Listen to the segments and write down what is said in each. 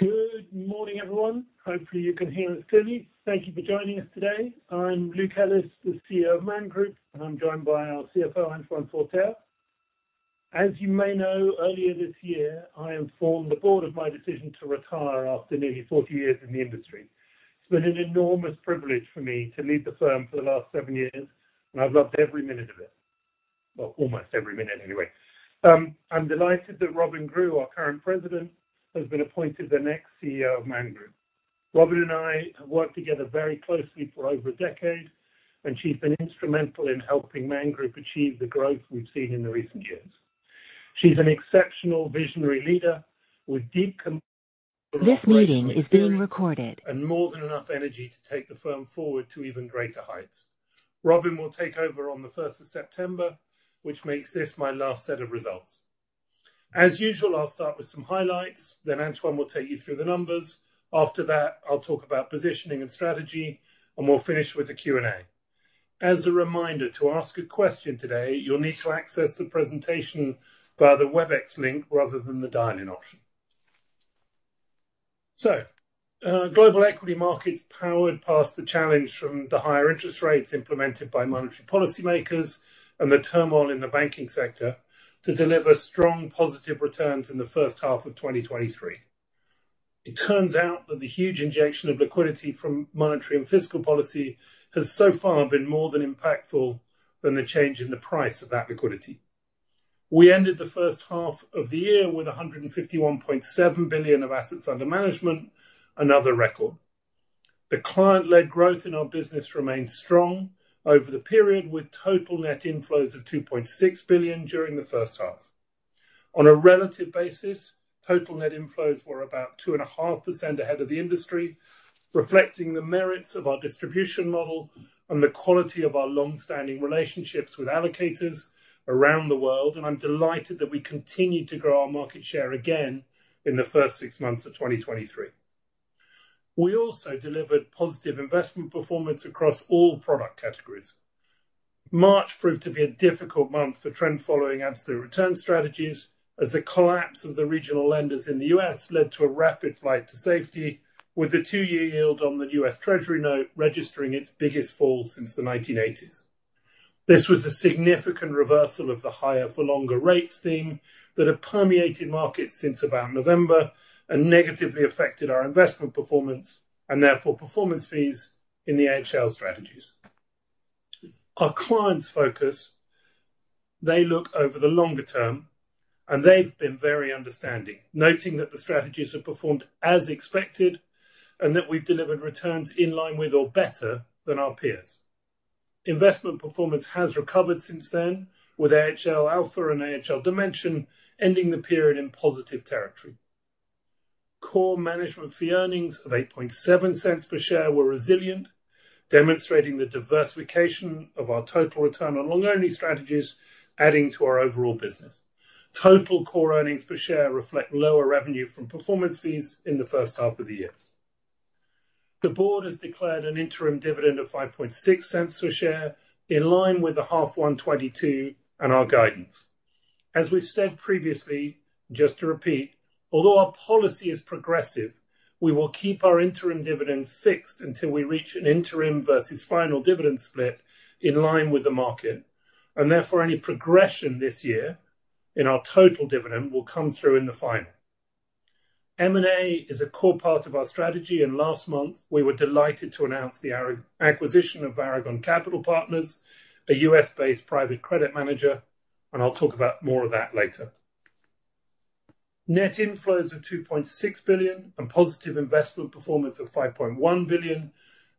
Good morning, everyone. Hopefully, you can hear us clearly. Thank you for joining us today. I'm Luke Ellis, the CEO of Man Group, and I'm joined by our CFO, Antoine Forterre. As you may know, earlier this year, I informed the board of my decision to retire after nearly 40 years in the industry. It's been an enormous privilege for me to lead the firm for the last 7 years, and I've loved every minute of it. Well, almost every minute, anyway. I'm delighted that Robyn Grew, our current president, has been appointed the next CEO of Man Group. Robyn and I have worked together very closely for over 10 years, and she's been instrumental in helping Man Group achieve the growth we've seen in the recent years. She's an exceptional visionary leader with deep. This meeting is being recorded. More than enough energy to take the firm forward to even greater heights. Robyn will take over on the 1st of September, which makes this my last set of results. As usual, I'll start with some highlights, then Antoine will take you through the numbers. After that, I'll talk about positioning and strategy, and we'll finish with the Q&A. As a reminder, to ask a question today, you'll need to access the presentation via the Webex link rather than the dial-in option. Global equity markets powered past the challenge from the higher interest rates implemented by monetary policymakers and the turmoil in the banking sector to deliver strong positive returns in the first half of 2023. It turns out that the huge injection of liquidity from monetary and fiscal policy has so far been more than impactful than the change in the price of that liquidity. We ended the first half of the year with 151.7 billion of assets under management, another record. The client-led growth in our business remained strong over the period, with total net inflows of 2.6 billion during the first half. On a relative basis, total net inflows were about 2.5% ahead of the industry, reflecting the merits of our distribution model and the quality of our long-standing relationships with allocators around the world. I'm delighted that we continued to grow our market share again in the first six months of 2023. We also delivered positive investment performance across all product categories. March proved to be a difficult month for trend following absolute return strategies, as the collapse of the regional lenders in the US led to a rapid flight to safety, with the 2-year yield on the US Treasury note registering its biggest fall since the 1980s. This was a significant reversal of the higher-for-longer-rates theme that have permeated markets since about November and negatively affected our investment performance. Therefore, performance fees in the AHL strategies. Our clients' focus, they look over the longer term, and they've been very understanding, noting that the strategies have performed as expected and that we've delivered returns in line with or better than our peers. Investment performance has recovered since then, with AHL Alpha and AHL Dimension ending the period in positive territory. Core management fee earnings of $0.087 per share were resilient, demonstrating the diversification of our total return on long-only strategies, adding to our overall business. Total core earnings per share reflect lower revenue from performance fees in the first half of the year. The board has declared an interim dividend of $0.056 per share, in line with the half one 2022 and our guidance. As we've said previously, just to repeat, although our policy is progressive, we will keep our interim dividend fixed until we reach an interim versus final dividend split in line with the market, and therefore, any progression this year in our total dividend will come through in the final. M&A is a core part of our strategy. Last month, we were delighted to announce the acquisition of Varagon Capital Partners, a U.S.-based private credit manager. I'll talk about more of that later. Net inflows of 2.6 billion and positive investment performance of 5.1 billion,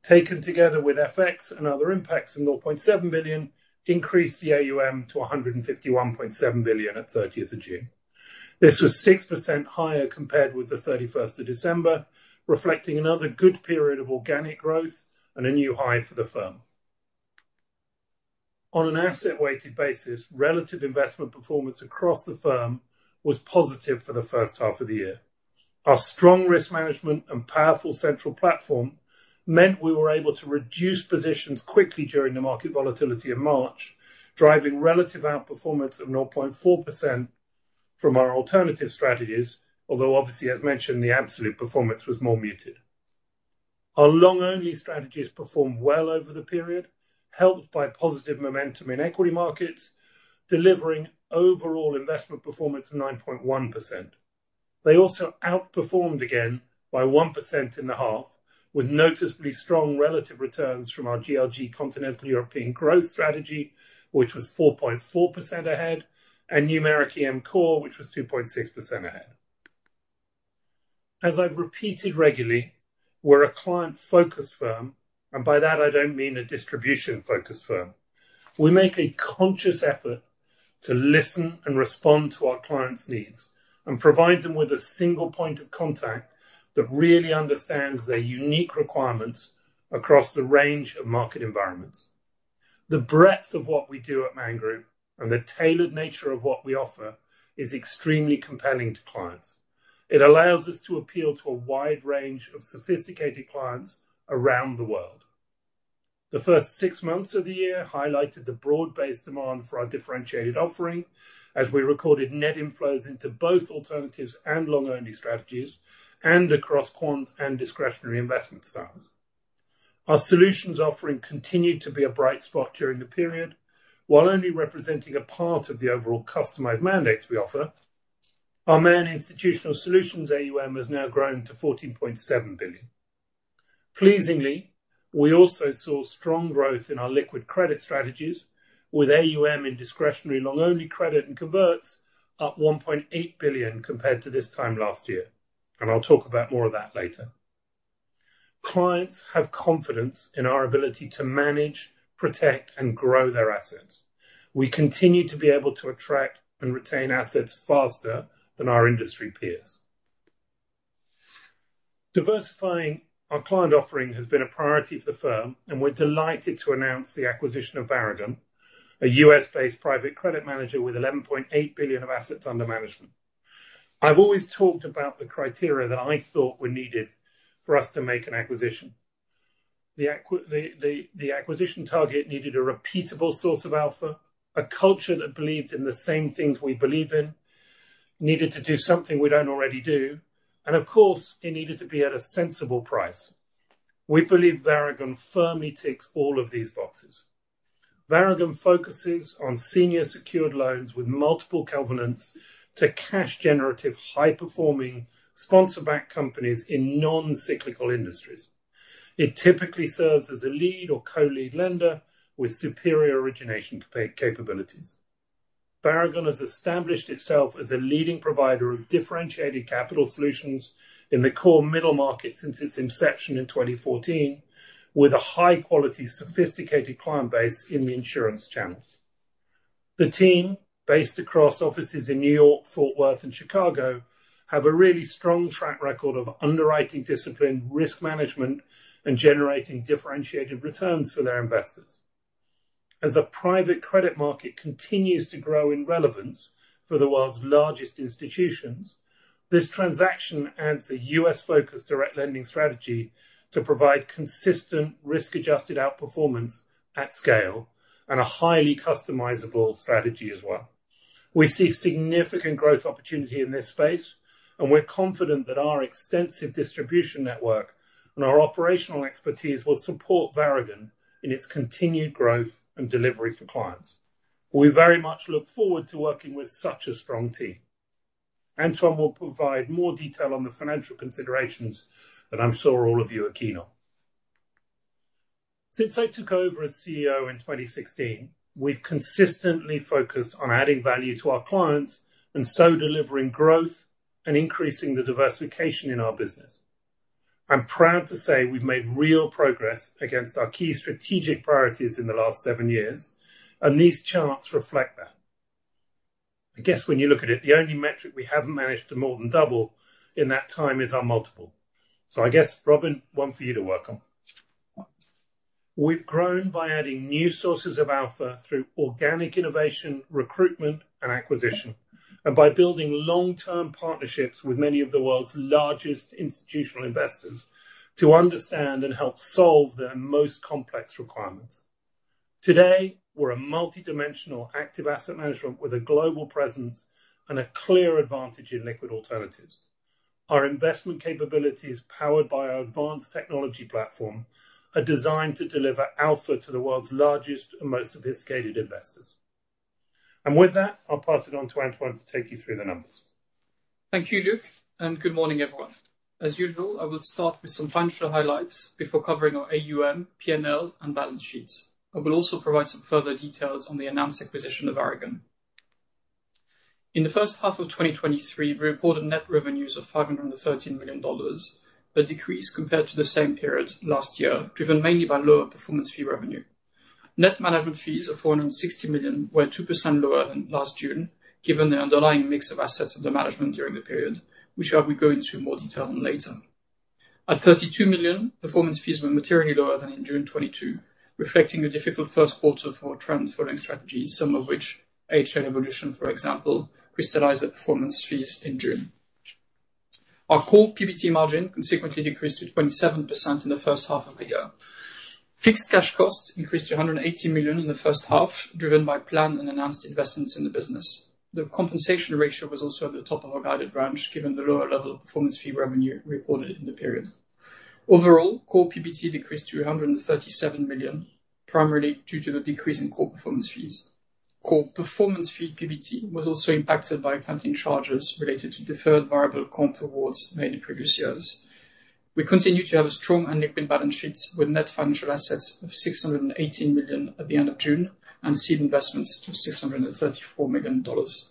taken together with FX and other impacts of 0.7 billion, increased the AUM to 151.7 billion at 30th of June. This was 6% higher compared with the 31st of December, reflecting another good period of organic growth and a new high for the firm. On an asset-weighted basis, relative investment performance across the firm was positive for the first half of the year. Our strong risk management and powerful central platform meant we were able to reduce positions quickly during the market volatility in March, driving relative outperformance of 0.4% from our alternative strategies, although obviously, as mentioned, the absolute performance was more muted. Our long-only strategies performed well over the period, helped by positive momentum in equity markets, delivering overall investment performance of 9.1%. They also outperformed again by 1% in the half, with noticeably strong relative returns from our Man GLG Continental European Growth strategy, which was 4.4% ahead, and Numeric Global Core, which was 2.6% ahead. As I've repeated regularly, we're a client-focused firm. By that, I don't mean a distribution-focused firm. We make a conscious effort to listen and respond to our clients' needs and provide them with a single point of contact that really understands their unique requirements across the range of market environments. The breadth of what we do at Man Group and the tailored nature of what we offer is extremely compelling to clients. It allows us to appeal to a wide range of sophisticated clients around the world. The first six months of the year highlighted the broad-based demand for our differentiated offering, as we recorded net inflows into both alternatives and long-only strategies, and across quant and discretionary investment styles. Our solutions offering continued to be a bright spot during the period. While only representing a part of the overall customized mandates we offer, our Man institutional solutions, AUM, has now grown to $14.7 billion. Pleasingly, we also saw strong growth in our liquid credit strategies, with AUM in discretionary long-only credit and converts up $1.8 billion compared to this time last year. I'll talk about more of that later. Clients have confidence in our ability to manage, protect, and grow their assets. We continue to be able to attract and retain assets faster than our industry peers. Diversifying our client offering has been a priority for the firm, and we're delighted to announce the acquisition of Varagon, a U.S.-based private credit manager with $11.8 billion of assets under management. I've always talked about the criteria that I thought were needed for us to make an acquisition. The acquisition target needed a repeatable source of alpha, a culture that believed in the same things we believe in, needed to do something we don't already do, and of course, it needed to be at a sensible price. We believe Varagon firmly ticks all of these boxes. Varagon focuses on senior secured loans with multiple covenants to cash-generative, high-performing, sponsor-backed companies in non-cyclical industries. It typically serves as a lead or co-lead lender with superior origination capabilities. Varagon has established itself as a leading provider of differentiated capital solutions in the core middle market since its inception in 2014, with a high-quality, sophisticated client base in the insurance channel. The team, based across offices in New York, Fort Worth, and Chicago, have a really strong track record of underwriting discipline, risk management, and generating differentiated returns for their investors. As the private credit market continues to grow in relevance for the world's largest institutions, this transaction adds a U.S.-focused direct lending strategy to provide consistent, risk-adjusted outperformance at scale, and a highly customizable strategy as well. We see significant growth opportunity in this space, and we're confident that our extensive distribution network and our operational expertise will support Varagon in its continued growth and delivery for clients. We very much look forward to working with such a strong team. Antoine will provide more detail on the financial considerations that I'm sure all of you are keen on. Since I took over as CEO in 2016, we've consistently focused on adding value to our clients, and so delivering growth and increasing the diversification in our business. I'm proud to say we've made real progress against our key strategic priorities in the last seven years, and these charts reflect that. I guess when you look at it, the only metric we haven't managed to more than double in that time is our multiple. I guess, Robyn, one for you to work on. We've grown by adding new sources of alpha through organic innovation, recruitment, and acquisition, and by building long-term partnerships with many of the world's largest institutional investors to understand and help solve their most complex requirements. Today, we're a multidimensional active asset management with a global presence and a clear advantage in liquid alternatives. Our investment capabilities, powered by our advanced technology platform, are designed to deliver alpha to the world's largest and most sophisticated investors. With that, I'll pass it on to Antoine to take you through the numbers. Thank you, Luke, and good morning, everyone. As usual, I will start with some financial highlights before covering our AUM, PNL, and balance sheets. I will also provide some further details on the announced acquisition of Varagon. In the first half of 2023, we reported net revenues of $513 million, a decrease compared to the same period last year, driven mainly by lower performance fee revenue. Net management fees of $460 million were 2% lower than last June, given the underlying mix of assets under management during the period, which I will go into more detail on later. At $32 million, performance fees were materially lower than in June 2022, reflecting a difficult first quarter for our trend following strategies, some of which, AHL Evolution, for example, crystallized the performance fees in June. Our core PBT margin consequently decreased to 27% in the first half of the year. Fixed cash costs increased to $180 million in the first half, driven by planned and announced investments in the business. The compensation ratio was also at the top of our guided branch, given the lower level of performance fee revenue recorded in the period. Overall, core PBT decreased to $137 million, primarily due to the decrease in core performance fees. Core performance fee PBT was also impacted by accounting charges related to deferred variable comp awards made in previous years. We continue to have a strong and liquid balance sheet, with net financial assets of $618 million at the end of June and seed investments to $634 million dollars.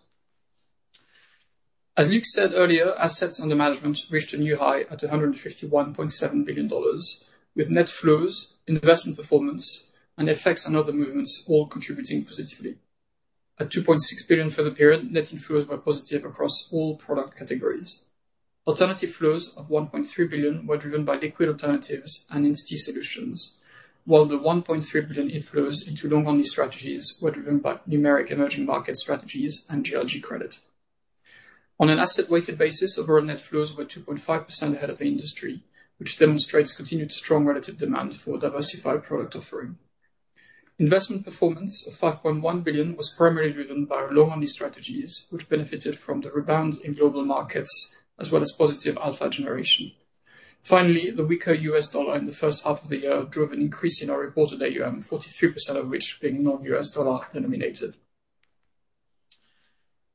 As Luke said earlier, assets under management reached a new high at $151.7 billion, with net flows, investment performance, and effects and other movements all contributing positively. At $2.6 billion for the period, net inflows were positive across all product categories. Alternative flows of $1.3 billion were driven by liquid alternatives and in-state solutions, while the $1.3 billion inflows into long-only strategies were driven by Numeric Emerging Market strategies and GLG credit. On an asset-weighted basis, overall net flows were 2.5% ahead of the industry, which demonstrates continued strong relative demand for diversified product offering. Investment performance of $5.1 billion was primarily driven by long-only strategies, which benefited from the rebound in global markets, as well as positive alpha generation. Finally, the weaker US dollar in the first half of the year drove an increase in our reported AUM, 43% of which being non-US dollar denominated.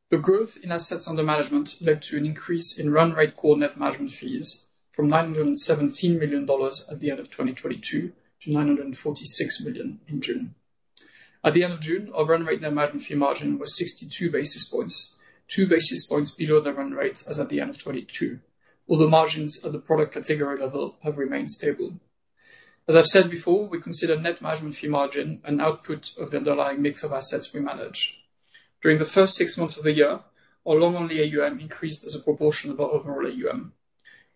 The growth in assets under management led to an increase in run rate core net management fees from $917 million at the end of 2022 to $946 million in June. At the end of June, our run rate net management fee margin was 62 basis points, 2 basis points below the run rate as at the end of 2022, although margins at the product category level have remained stable. As I've said before, we consider net management fee margin an output of the underlying mix of assets we manage. During the first six months of the year, our long-only AUM increased as a proportion of our overall AUM.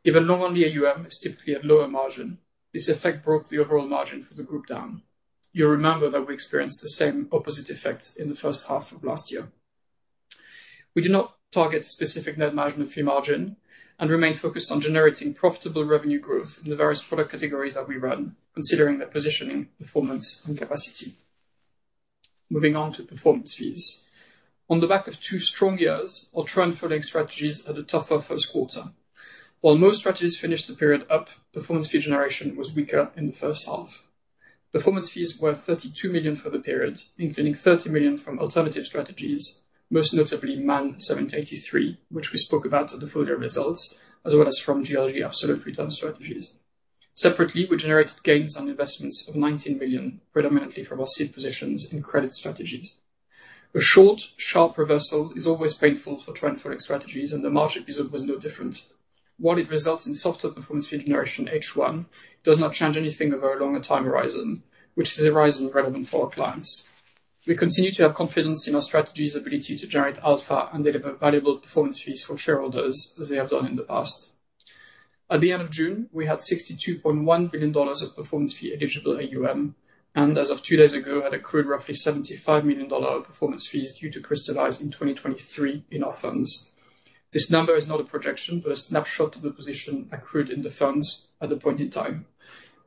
Given long-only AUM is typically at lower margin, this effect broke the overall margin for the group down. You'll remember that we experienced the same opposite effect in the first half of last year. We do not target specific net management fee margin and remain focused on generating profitable revenue growth in the various product categories that we run, considering their positioning, performance, and capacity. Moving on to performance fees. On the back of two strong years, our trend following strategies had a tougher first quarter. While most strategies finished the period up, performance fee generation was weaker in the first half. Performance fees were 32 million for the period, including 30 million from alternative strategies, most notably, Man AHL 783, which we spoke about at the full year results, as well as from GLG Absolute Return Strategies. Separately, we generated gains on investments of $19 million, predominantly from our seed positions in credit strategies. A short, sharp reversal is always painful for trend following strategies, and the March episode was no different. While it results in softer performance fee generation, H1 does not change anything over a longer time horizon, which is a horizon relevant for our clients. We continue to have confidence in our strategies ability to generate alpha and deliver valuable performance fees for shareholders as they have done in the past. At the end of June, we had $62.1 billion of performance fee eligible AUM, and as of 2 days ago, had accrued roughly $75 million performance fees due to crystallize in 2023 in our funds. This number is not a projection, but a snapshot of the position accrued in the funds at a point in time.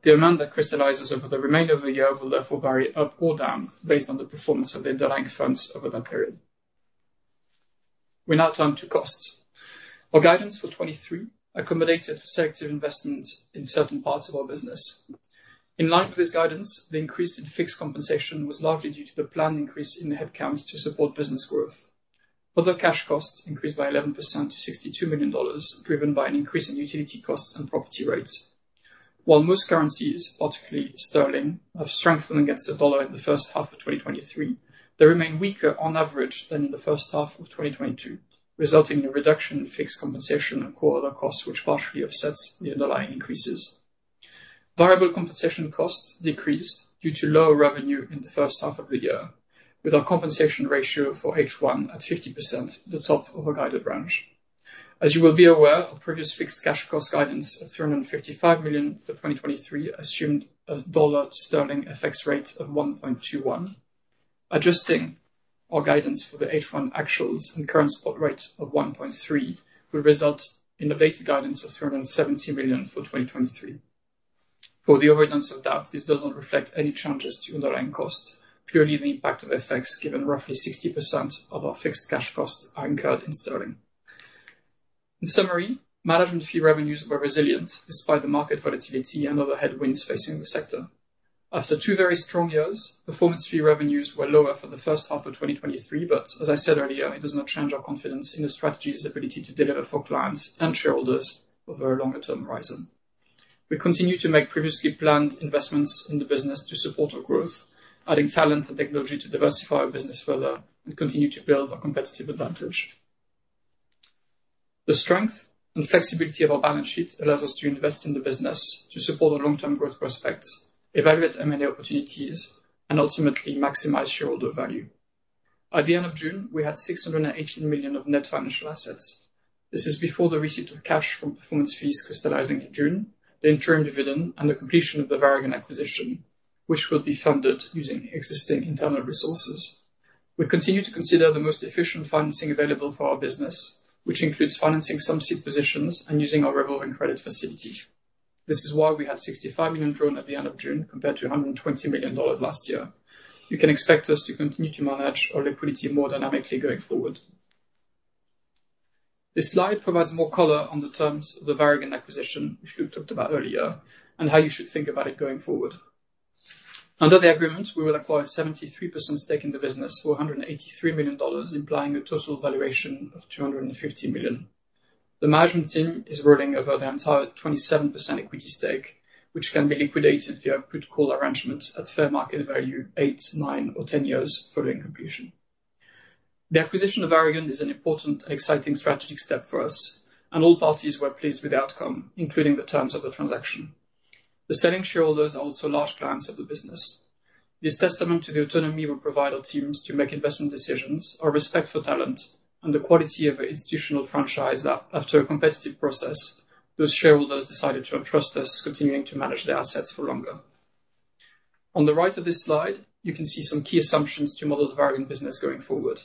The amount that crystallizes over the remainder of the year will therefore vary up or down, based on the performance of the underlying funds over that period. We now turn to costs. Our guidance for 2023 accommodated for selective investment in certain parts of our business. In line with this guidance, the increase in fixed compensation was largely due to the planned increase in the headcount to support business growth. Other cash costs increased by 11% to $62 million, driven by an increase in utility costs and property rates. While most currencies, particularly sterling, have strengthened against the dollar in the first half of 2023, they remain weaker on average than in the first half of 2022, resulting in a reduction in fixed compensation and core other costs, which partially offsets the underlying increases. Variable compensation costs decreased due to lower revenue in the first half of the year, with our compensation ratio for H1 at 50%, the top of our guided branch. As you will be aware, our previous fixed cash cost guidance of $355 million for 2023 assumed a dollar to sterling FX rate of 1.21. Adjusting our guidance for the H1 actuals and current spot rate of 1.3, will result in a updated guidance of $370 million for 2023. For the avoidance of doubt, this does not reflect any changes to underlying costs, purely the impact of FX, given roughly 60% of our fixed cash costs are incurred in sterling. In summary, management fee revenues were resilient despite the market volatility and other headwinds facing the sector. After two very strong years, performance fee revenues were lower for the first half of 2023. As I said earlier, it does not change our confidence in the strategy's ability to deliver for clients and shareholders over a longer-term horizon. We continue to make previously planned investments in the business to support our growth, adding talent and technology to diversify our business further and continue to build our competitive advantage. The strength and flexibility of our balance sheet allows us to invest in the business to support our long-term growth prospects, evaluate M&A opportunities, and ultimately maximize shareholder value. At the end of June, we had 618 million of net financial assets. This is before the receipt of cash from performance fees crystallizing in June, the interim dividend, and the completion of the Varagon acquisition, which will be funded using existing internal resources. We continue to consider the most efficient financing available for our business, which includes financing some seed positions and using our revolving credit facility. This is why we had $65 million drawn at the end of June, compared to $120 million last year. You can expect us to continue to manage our liquidity more dynamically going forward. This slide provides more color on the terms of the Varagon acquisition, which Luke talked about earlier, and how you should think about it going forward. Under the agreement, we will acquire 73% stake in the business for $183 million, implying a total valuation of $250 million. The management team is rolling over the entire 27% equity stake, which can be liquidated via output call arrangement at fair market value, eight, nine, or 10 years following completion. The acquisition of Varagon is an important and exciting strategic step for us, and all parties were pleased with the outcome, including the terms of the transaction. The selling shareholders are also large clients of the business. It is testament to the autonomy we provide our teams to make investment decisions, our respect for talent, and the quality of our institutional franchise, that after a competitive process, those shareholders decided to entrust us continuing to manage their assets for longer. On the right of this slide, you can see some key assumptions to model the Varagon business going forward.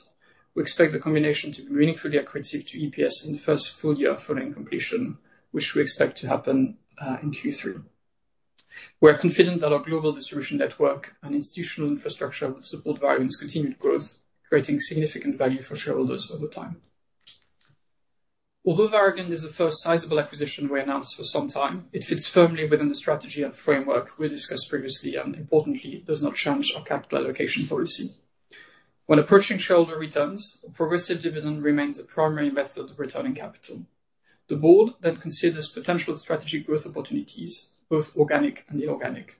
We expect the combination to be meaningfully accretive to EPS in the first full year following completion, which we expect to happen in Q3. We are confident that our global distribution network and institutional infrastructure will support Varagon's continued growth, creating significant value for shareholders over time. Although Varagon is the first sizable acquisition we announced for some time, it fits firmly within the strategy and framework we discussed previously, and importantly, does not change our capital allocation policy. When approaching shareholder returns, a progressive dividend remains a primary method of returning capital. The board then considers potential strategic growth opportunities, both organic and inorganic,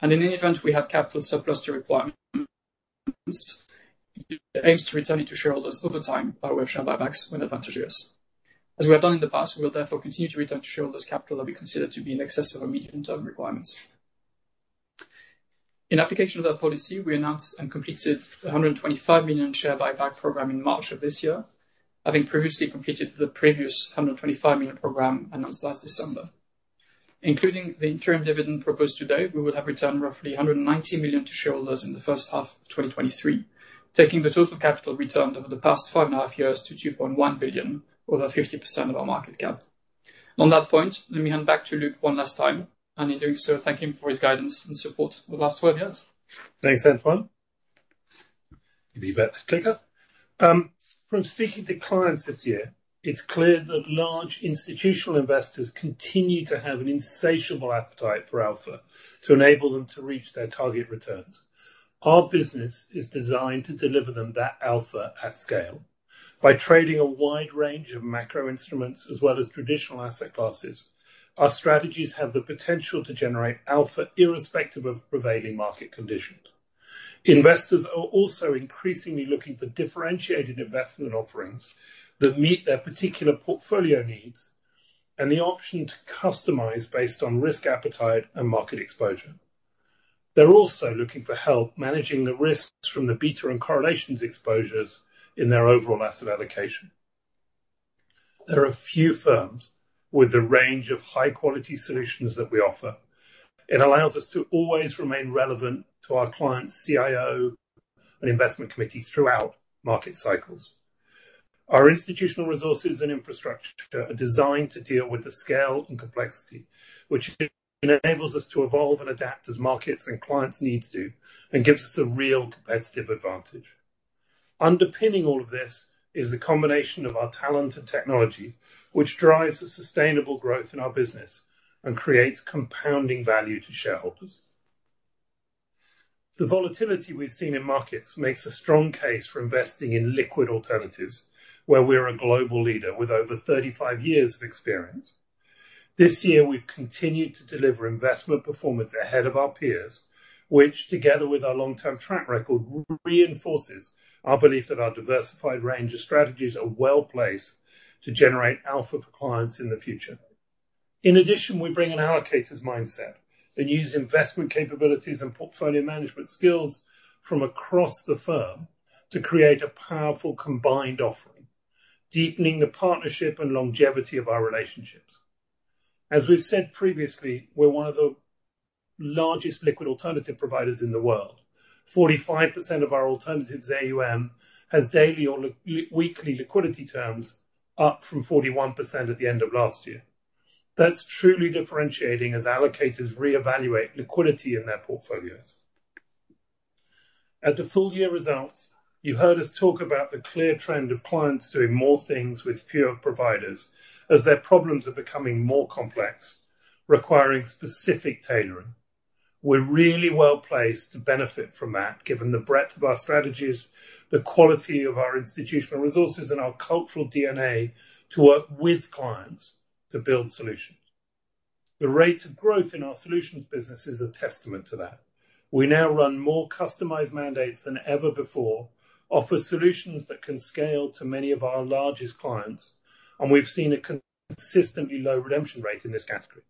and in any event, we have capital surplus to requirement, aims to return it to shareholders over time by way of share buybacks when advantageous. As we have done in the past, we will therefore continue to return to shareholders capital that we consider to be in excess of our medium-term requirements. In application of that policy, we announced and completed a 125 million share buyback program in March of this year, having previously completed the previous 125 million program announced last December. Including the interim dividend proposed today, we will have returned roughly 190 million to shareholders in the first half of 2023, taking the total capital returned over the past 5.5 years to 2.1 billion, over 50% of our market cap. On that point, let me hand back to Luke one last time, and in doing so, thank him for his guidance and support over the last 12 years. Thanks, Antoine. Give you back the clicker. From speaking to clients this year, it's clear that large institutional investors continue to have an insatiable appetite for alpha to enable them to reach their target returns. Our business is designed to deliver them that alpha at scale. By trading a wide range of macro instruments as well as traditional asset classes, our strategies have the potential to generate alpha irrespective of prevailing market conditions. Investors are also increasingly looking for differentiated investment offerings that meet their particular portfolio needs and the option to customize based on risk, appetite, and market exposure. They're also looking for help managing the risks from the beta and correlations exposures in their overall asset allocation. There are a few firms with a range of high-quality solutions that we offer. It allows us to always remain relevant to our clients, CIO, and investment committees throughout market cycles. Our institutional resources and infrastructure are designed to deal with the scale and complexity, which enables us to evolve and adapt as markets and clients need to, and gives us a real competitive advantage. Underpinning all of this is the combination of our talent and technology, which drives the sustainable growth in our business and creates compounding value to shareholders. The volatility we've seen in markets makes a strong case for investing in liquid alternatives, where we are a global leader with over 35 years of experience. This year, we've continued to deliver investment performance ahead of our peers, which, together with our long-term track record, reinforces our belief that our diversified range of strategies are well-placed to generate alpha for clients in the future. We bring an allocator's mindset and use investment capabilities and portfolio management skills from across the firm to create a powerful combined offering, deepening the partnership and longevity of our relationships. As we've said previously, we're one of the largest liquid alternative providers in the world. 45% of our alternatives AUM has daily or weekly liquidity terms, up from 41% at the end of last year. That's truly differentiating as allocators reevaluate liquidity in their portfolios. At the full year results, you heard us talk about the clear trend of clients doing more things with pure providers as their problems are becoming more complex, requiring specific tailoring. We're really well-placed to benefit from that, given the breadth of our strategies, the quality of our institutional resources, and our cultural DNA to work with clients to build solutions. The rate of growth in our solutions business is a testament to that. We now run more customized mandates than ever before, offer solutions that can scale to many of our largest clients, and we've seen a consistently low redemption rate in this category.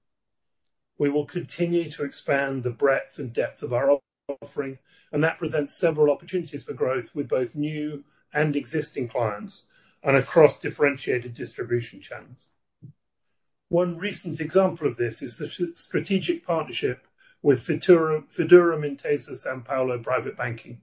We will continue to expand the breadth and depth of our offering, and that presents several opportunities for growth with both new and existing clients, and across differentiated distribution channels. One recent example of this is the strategic partnership with Fideuram Intesa Sanpaolo Private Banking.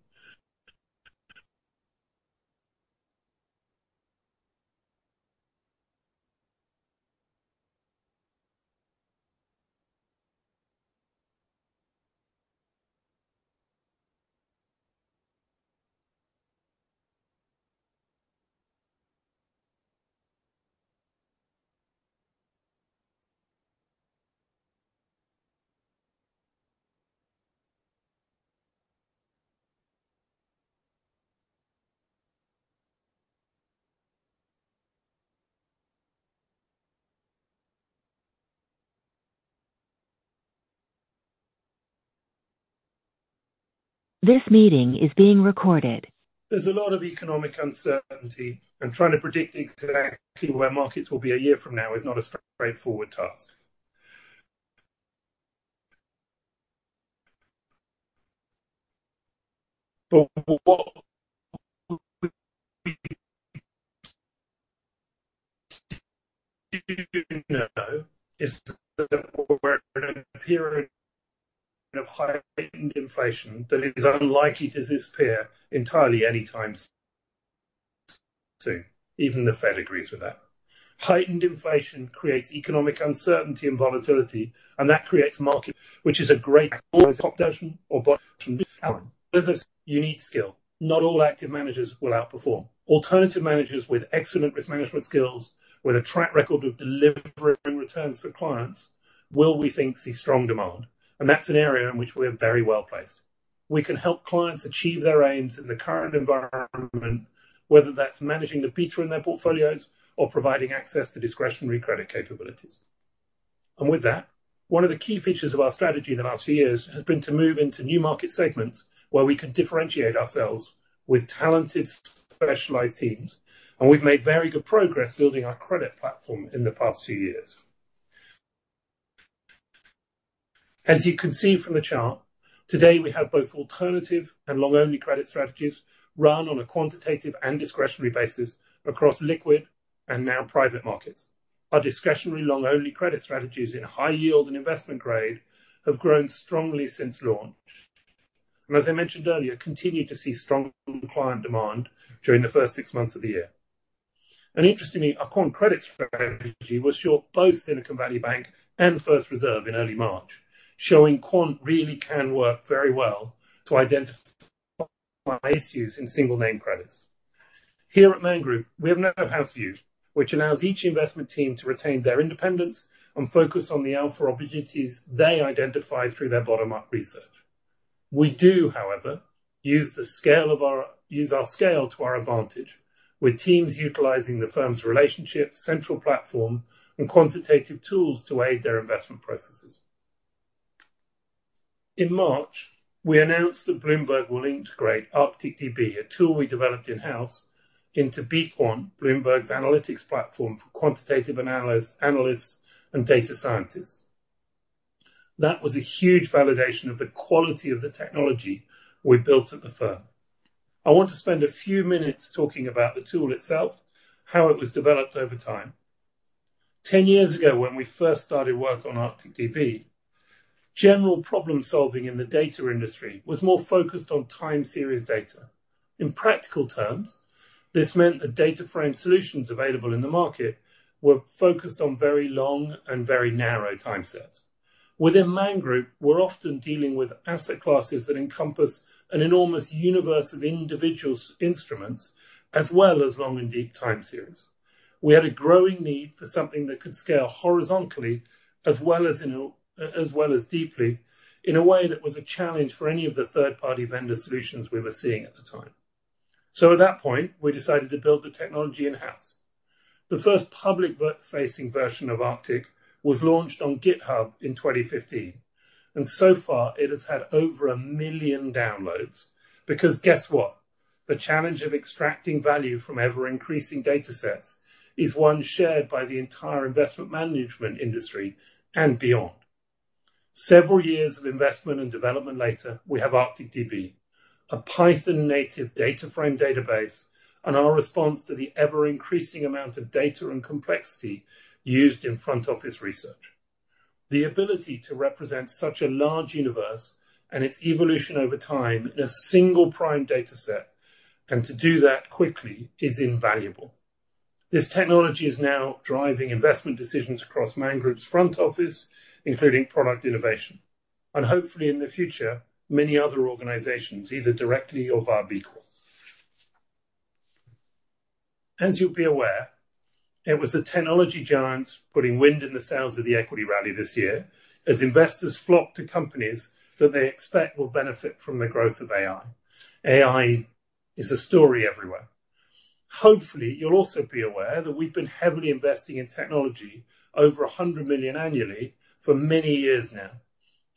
This meeting is being recorded. There's a lot of economic uncertainty, and trying to predict exactly where markets will be a year from now is not a straightforward task. What we do know is that we're in a period of heightened inflation that is unlikely to disappear entirely anytime soon. Even the Fed agrees with that. Heightened inflation creates economic uncertainty and volatility, and that creates market, which is a great potential or talent, unique skill. Not all active managers will outperform. Alternative managers with excellent risk management skills, with a track record of delivering returns for clients, will, we think, see strong demand, and that's an area in which we're very well-placed. We can help clients achieve their aims in the current environment, whether that's managing the beta in their portfolios or providing access to discretionary credit capabilities. With that, one of the key features of our strategy in the last few years has been to move into new market segments where we can differentiate ourselves with talented, specialized teams, and we've made very good progress building our credit platform in the past few years. As you can see from the chart, today, we have both alternative and long-only credit strategies run on a quantitative and discretionary basis across liquid and now private markets. Our discretionary long-only credit strategies in high yield and investment grade have grown strongly since launch, and as I mentioned earlier, continued to see strong client demand during the first 6 months of the year. Interestingly, our quant credit strategy was short, both Silicon Valley Bank and First Republic Bank in early March, showing quant really can work very well to identify issues in single name credits. Here at Man Group, we have no house view, which allows each investment team to retain their independence and focus on the alpha opportunities they identify through their bottom-up research. We do, however, use our scale to our advantage, with teams utilizing the firm's relationship, central platform, and quantitative tools to aid their investment processes. In March, we announced that Bloomberg will integrate ArcticDB, a tool we developed in-house, into B-Quant, Bloomberg's analytics platform for quantitative analysts and data scientists. That was a huge validation of the quality of the technology we built at the firm. I want to spend a few minutes talking about the tool itself, how it was developed over time. 10 years ago, when we first started work on ArcticDB, general problem-solving in the data industry was more focused on time series data. In practical terms, this meant the data frame solutions available in the market were focused on very long and very narrow time sets. Within Man Group, we're often dealing with asset classes that encompass an enormous universe of individual instruments, as well as long and deep time series. We had a growing need for something that could scale horizontally as well as deeply, in a way that was a challenge for any of the third-party vendor solutions we were seeing at the time. At that point, we decided to build the technology in-house. The first public web-facing version of Arctic was launched on GitHub in 2015, so far it has had over 1 million downloads. Guess what? The challenge of extracting value from ever-increasing datasets is one shared by the entire investment management industry and beyond. Several years of investment and development later, we have ArcticDB, a Python native data frame database, and our response to the ever-increasing amount of data and complexity used in front office research. The ability to represent such a large universe and its evolution over time in a single prime dataset, and to do that quickly, is invaluable. This technology is now driving investment decisions across Man Group's front office, including product innovation, and hopefully, in the future, many other organizations, either directly or via B-Quant. As you'll be aware, it was the technology giants putting wind in the sails of the equity rally this year, as investors flocked to companies that they expect will benefit from the growth of AI. AI is a story everywhere. Hopefully, you'll also be aware that we've been heavily investing in technology over $100 million annually for many years now,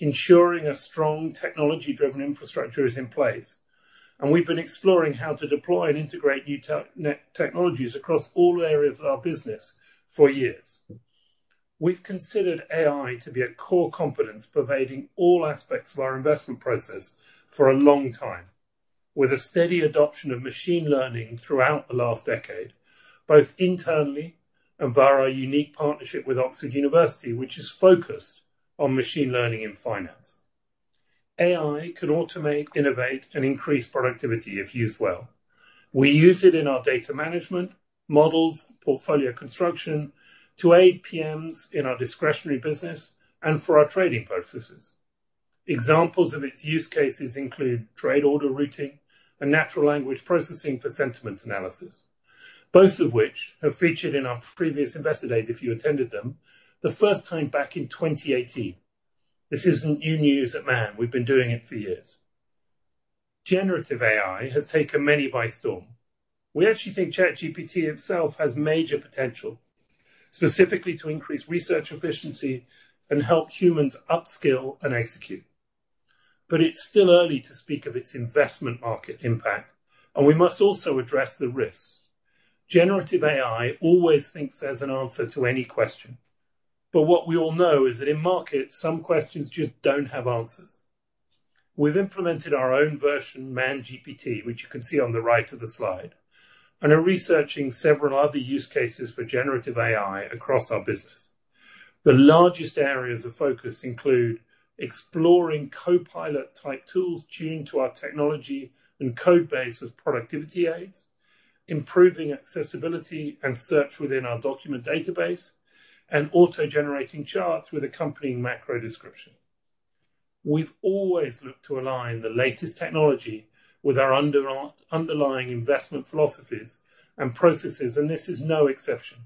ensuring a strong technology-driven infrastructure is in place. We've been exploring how to deploy and integrate new technologies across all areas of our business for years. We've considered AI to be a core competence pervading all aspects of our investment process for a long time, with a steady adoption of machine learning throughout the last decade, both internally and via our unique partnership with Oxford University, which is focused on machine learning in finance. AI can automate, innovate, and increase productivity if used well. We use it in our data management, models, portfolio construction, to aid PMs in our discretionary business and for our trading processes. Examples of its use cases include trade order routing and natural language processing for sentiment analysis, both of which have featured in our previous Investor Days, if you attended them, the first time back in 2018. This isn't new news at Man. We've been doing it for years. Generative AI has taken many by storm. We actually think ChatGPT itself has major potential, specifically to increase research efficiency and help humans upskill and execute. It's still early to speak of its investment market impact, and we must also address the risks. Generative AI always thinks there's an answer to any question, but what we all know is that in market, some questions just don't have answers. We've implemented our own version, ManGPT, which you can see on the right of the slide, and are researching several other use cases for Generative AI across our business. The largest areas of focus include exploring copilot-type tools tuned to our technology and code base as productivity aids, improving accessibility and search within our document database, and auto-generating charts with accompanying macro description. We've always looked to align the latest technology with our underlying investment philosophies and processes, and this is no exception.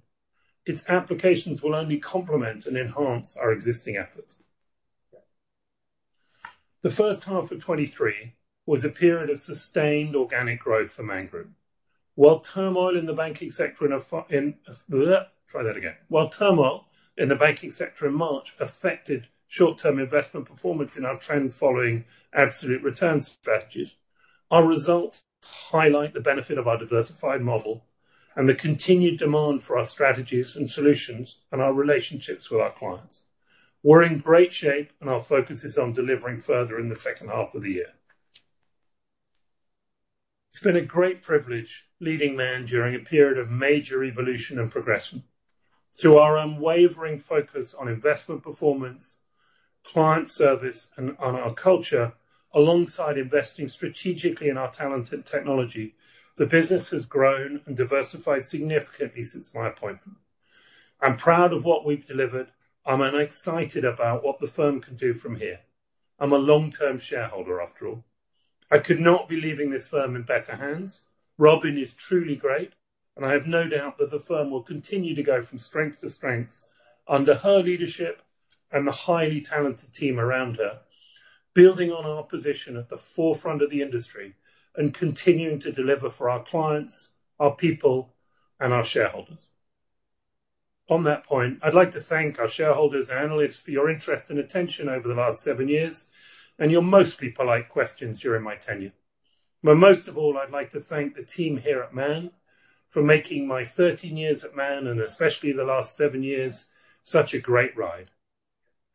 Its applications will only complement and enhance our existing efforts. The first half of 2023 was a period of sustained organic growth for Man Group. While turmoil in the banking sector in March affected short-term investment performance in our trend following absolute return strategies, our results highlight the benefit of our diversified model and the continued demand for our strategies and solutions and our relationships with our clients. We're in great shape. Our focus is on delivering further in the second half of the year. It's been a great privilege leading Man during a period of major evolution and progression. Through our unwavering focus on investment performance, client service, and on our culture, alongside investing strategically in our talented technology, the business has grown and diversified significantly since my appointment. I'm proud of what we've delivered, I'm excited about what the firm can do from here. I'm a long-term shareholder, after all. I could not be leaving this firm in better hands. Robyn is truly great, and I have no doubt that the firm will continue to go from strength to strength under her leadership and the highly talented team around her, building on our position at the forefront of the industry and continuing to deliver for our clients, our people, and our shareholders. On that point, I'd like to thank our shareholders and analysts for your interest and attention over the last 7 years, and your mostly polite questions during my tenure. Most of all, I'd like to thank the team here at Man for making my 13 years at Man, and especially the last 7 years, such a great ride.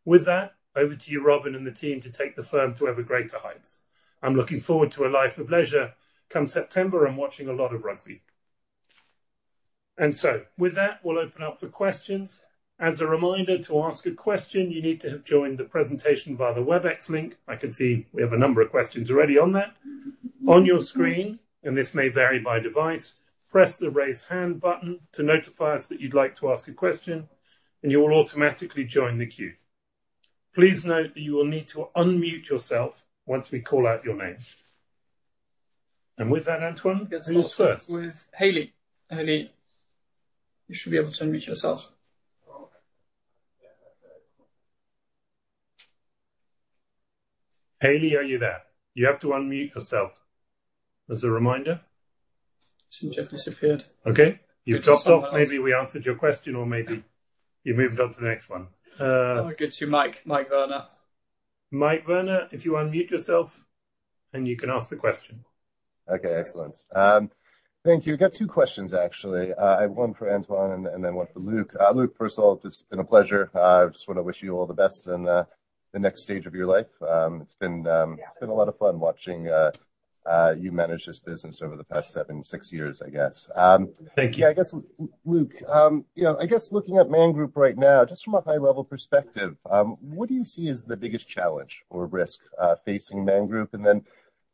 With that, over to you, Robyn, and the team to take the firm to ever greater heights. I'm looking forward to a life of leisure come September and watching a lot of rugby. With that, we'll open up for questions. As a reminder, to ask a question you need to have joined the presentation via the Webex link. I can see we have a number of questions already on that. On your screen, and this may vary by device, press the Raise Hand button to notify us that you'd like to ask a question, and you will automatically join the queue. Please note that you will need to unmute yourself once we call out your name. With that, Antoine, who is first? With Haley. Haley, you should be able to unmute yourself. Haley, are you there? You have to unmute yourself, as a reminder. Seems to have disappeared. Okay. You've dropped off. Maybe we answered your question, or maybe you've moved on to the next one. I'll get you, Mike. Michael Werner. Mike Werner, if you unmute yourself, and you can ask the question. Okay, excellent. Thank you. I've got two questions, actually. I have one for Antoine and, and then one for Luke. Luke, first of all, it's been a pleasure. I just want to wish you all the best in the next stage of your life. It's been Yeah. It's been a lot of fun watching, you manage this business over the past seven, six years, I guess. Thank you. Yeah, I guess, Luke, you know, I guess looking at Man Group right now, just from a high level perspective, what do you see as the biggest challenge or risk facing Man Group? Then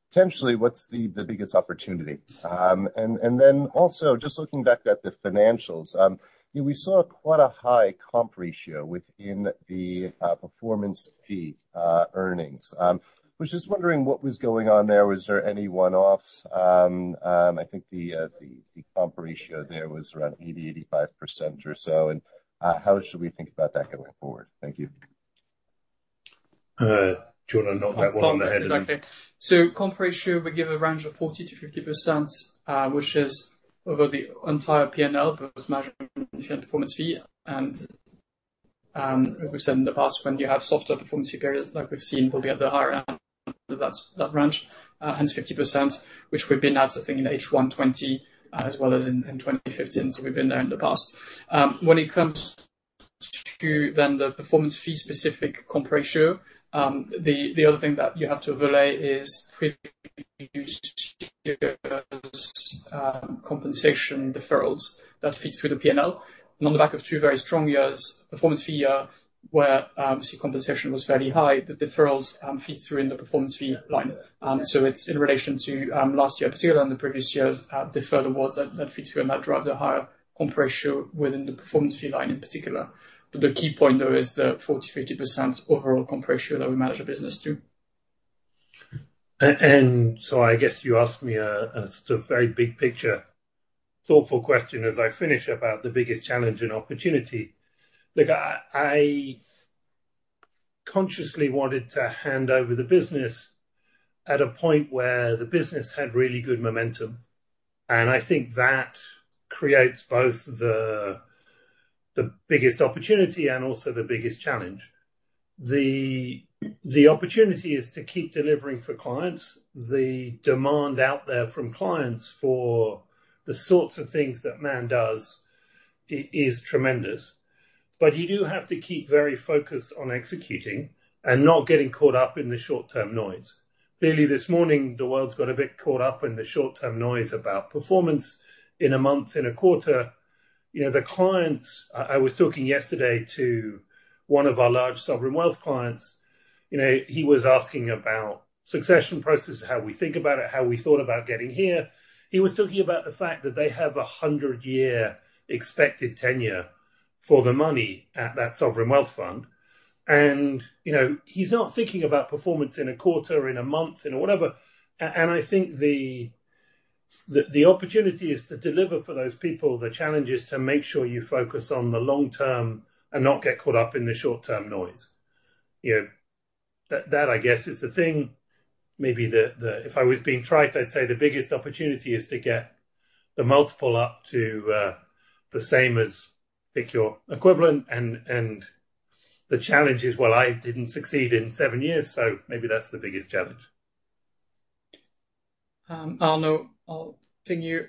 potentially, what's the biggest opportunity? Then also, just looking back at the financials, we saw quite a high comp ratio within the performance fee earnings. Was just wondering what was going on there. Was there any one-offs? I think the comp ratio there was around 80%-85% or so, and how should we think about that going forward? Thank you. Do you want to knock that one on the head? Exactly. comp ratio, we give a range of 40%-50%, which is over the entire PNL, but was measured in performance fee. as we've said in the past, when you have softer performance fee periods, like we've seen, we'll be at the higher end of that, that range, hence 50%, which we've been at, I think, in H1 2020 as well as in 2015, so we've been there in the past. When it comes to then the performance fee-specific comp ratio, the, the other thing that you have to overlay is previous compensation deferrals. That feeds through the PNL. on the back of two very strong years, performance fee year, where obviously compensation was fairly high, the deferrals feed through in the performance fee line. It's in relation to, last year particularly and the previous years, deferred awards that, that feed through, and that drives a higher comp ratio within the performance fee line in particular. The key point, though, is the 40%-50% overall comp ratio that we manage the business to. I guess you asked me a sort of very big-picture, thoughtful question as I finish, about the biggest challenge and opportunity. Look, I consciously wanted to hand over the business at a point where the business had really good momentum, and I think that creates both the biggest opportunity and also the biggest challenge. The opportunity is to keep delivering for clients. The demand out there from clients for the sorts of things that Man does is tremendous, you do have to keep very focused on executing and not getting caught up in the short-term noise. Clearly, this morning, the world's got a bit caught up in the short-term noise about performance in a month, in a quarter. You know, the clients, I was talking yesterday to one of our large sovereign wealth clients. You know, he was asking about succession process, how we think about it, how we thought about getting here. He was talking about the fact that they have a 100-year expected tenure for the money at that sovereign wealth fund. You know, he's not thinking about performance in a quarter, in a month, in a whatever. And I think the, the, the opportunity is to deliver for those people, the challenge is to make sure you focus on the long term and not get caught up in the short-term noise. You know, that, that, I guess, is the thing, maybe the, the If I was being trite, I'd say the biggest opportunity is to get the multiple up to the same as, pick your equivalent. The challenge is, well, I didn't succeed in seven years, so maybe that's the biggest challenge. Arnaud, I'll ping you.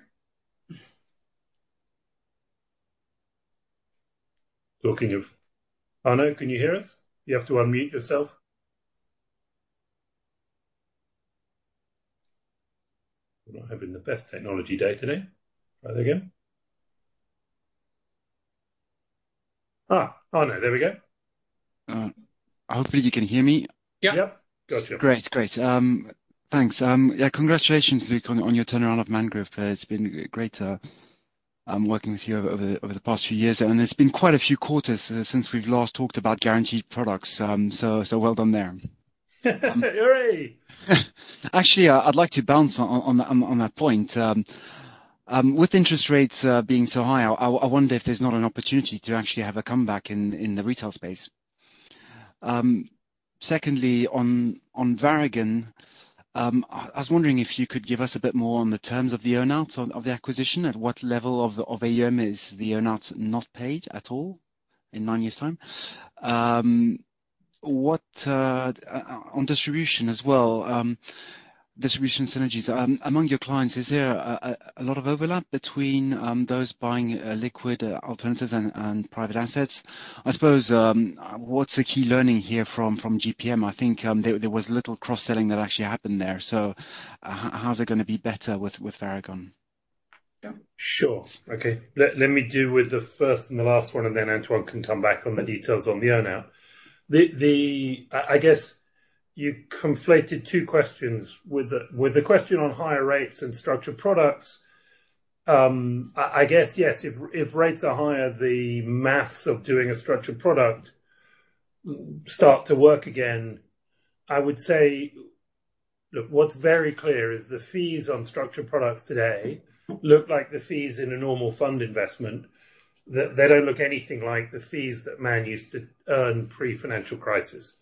Arnaud, can you hear us? You have to unmute yourself. We're not having the best technology day today. Try again. Ah, Arno, there we go. Hopefully you can hear me. Yep. Yep. Got you. Great. Great. Thanks. Yeah, congratulations, Luke, on, on your turnaround of Man Group. It's been great, working with you over, over the, over the past few years, and it's been quite a few quarters, since we've last talked about guaranteed products. So well done there. Hooray! Actually, I'd like to bounce on that point. With interest rates being so high, I wonder if there's not an opportunity to actually have a comeback in the retail space. Secondly, on Varagon, I was wondering if you could give us a bit more on the terms of the earn-out of the acquisition, at what level of AUM is the earn-out not paid at all in 9 years' time? What, on distribution as well, distribution synergies among your clients, is there a lot of overlap between those buying liquid alternatives and private assets? I suppose, what's the key learning here from GPM? I think, there was little cross-selling that actually happened there, so how is it gonna be better with Varagon? Yeah. Sure. Okay. Let me do with the first and the last one, then Antoine can come back on the details on the earn-out. I guess you conflated two questions. With the question on higher rates and structured products, I guess yes, if rates are higher, the math of doing a structured product start to work again. I would say, look, what's very clear is the fees on structured products today look like the fees in a normal fund investment. They don't look anything like the fees that Man used to earn pre-financial crisis.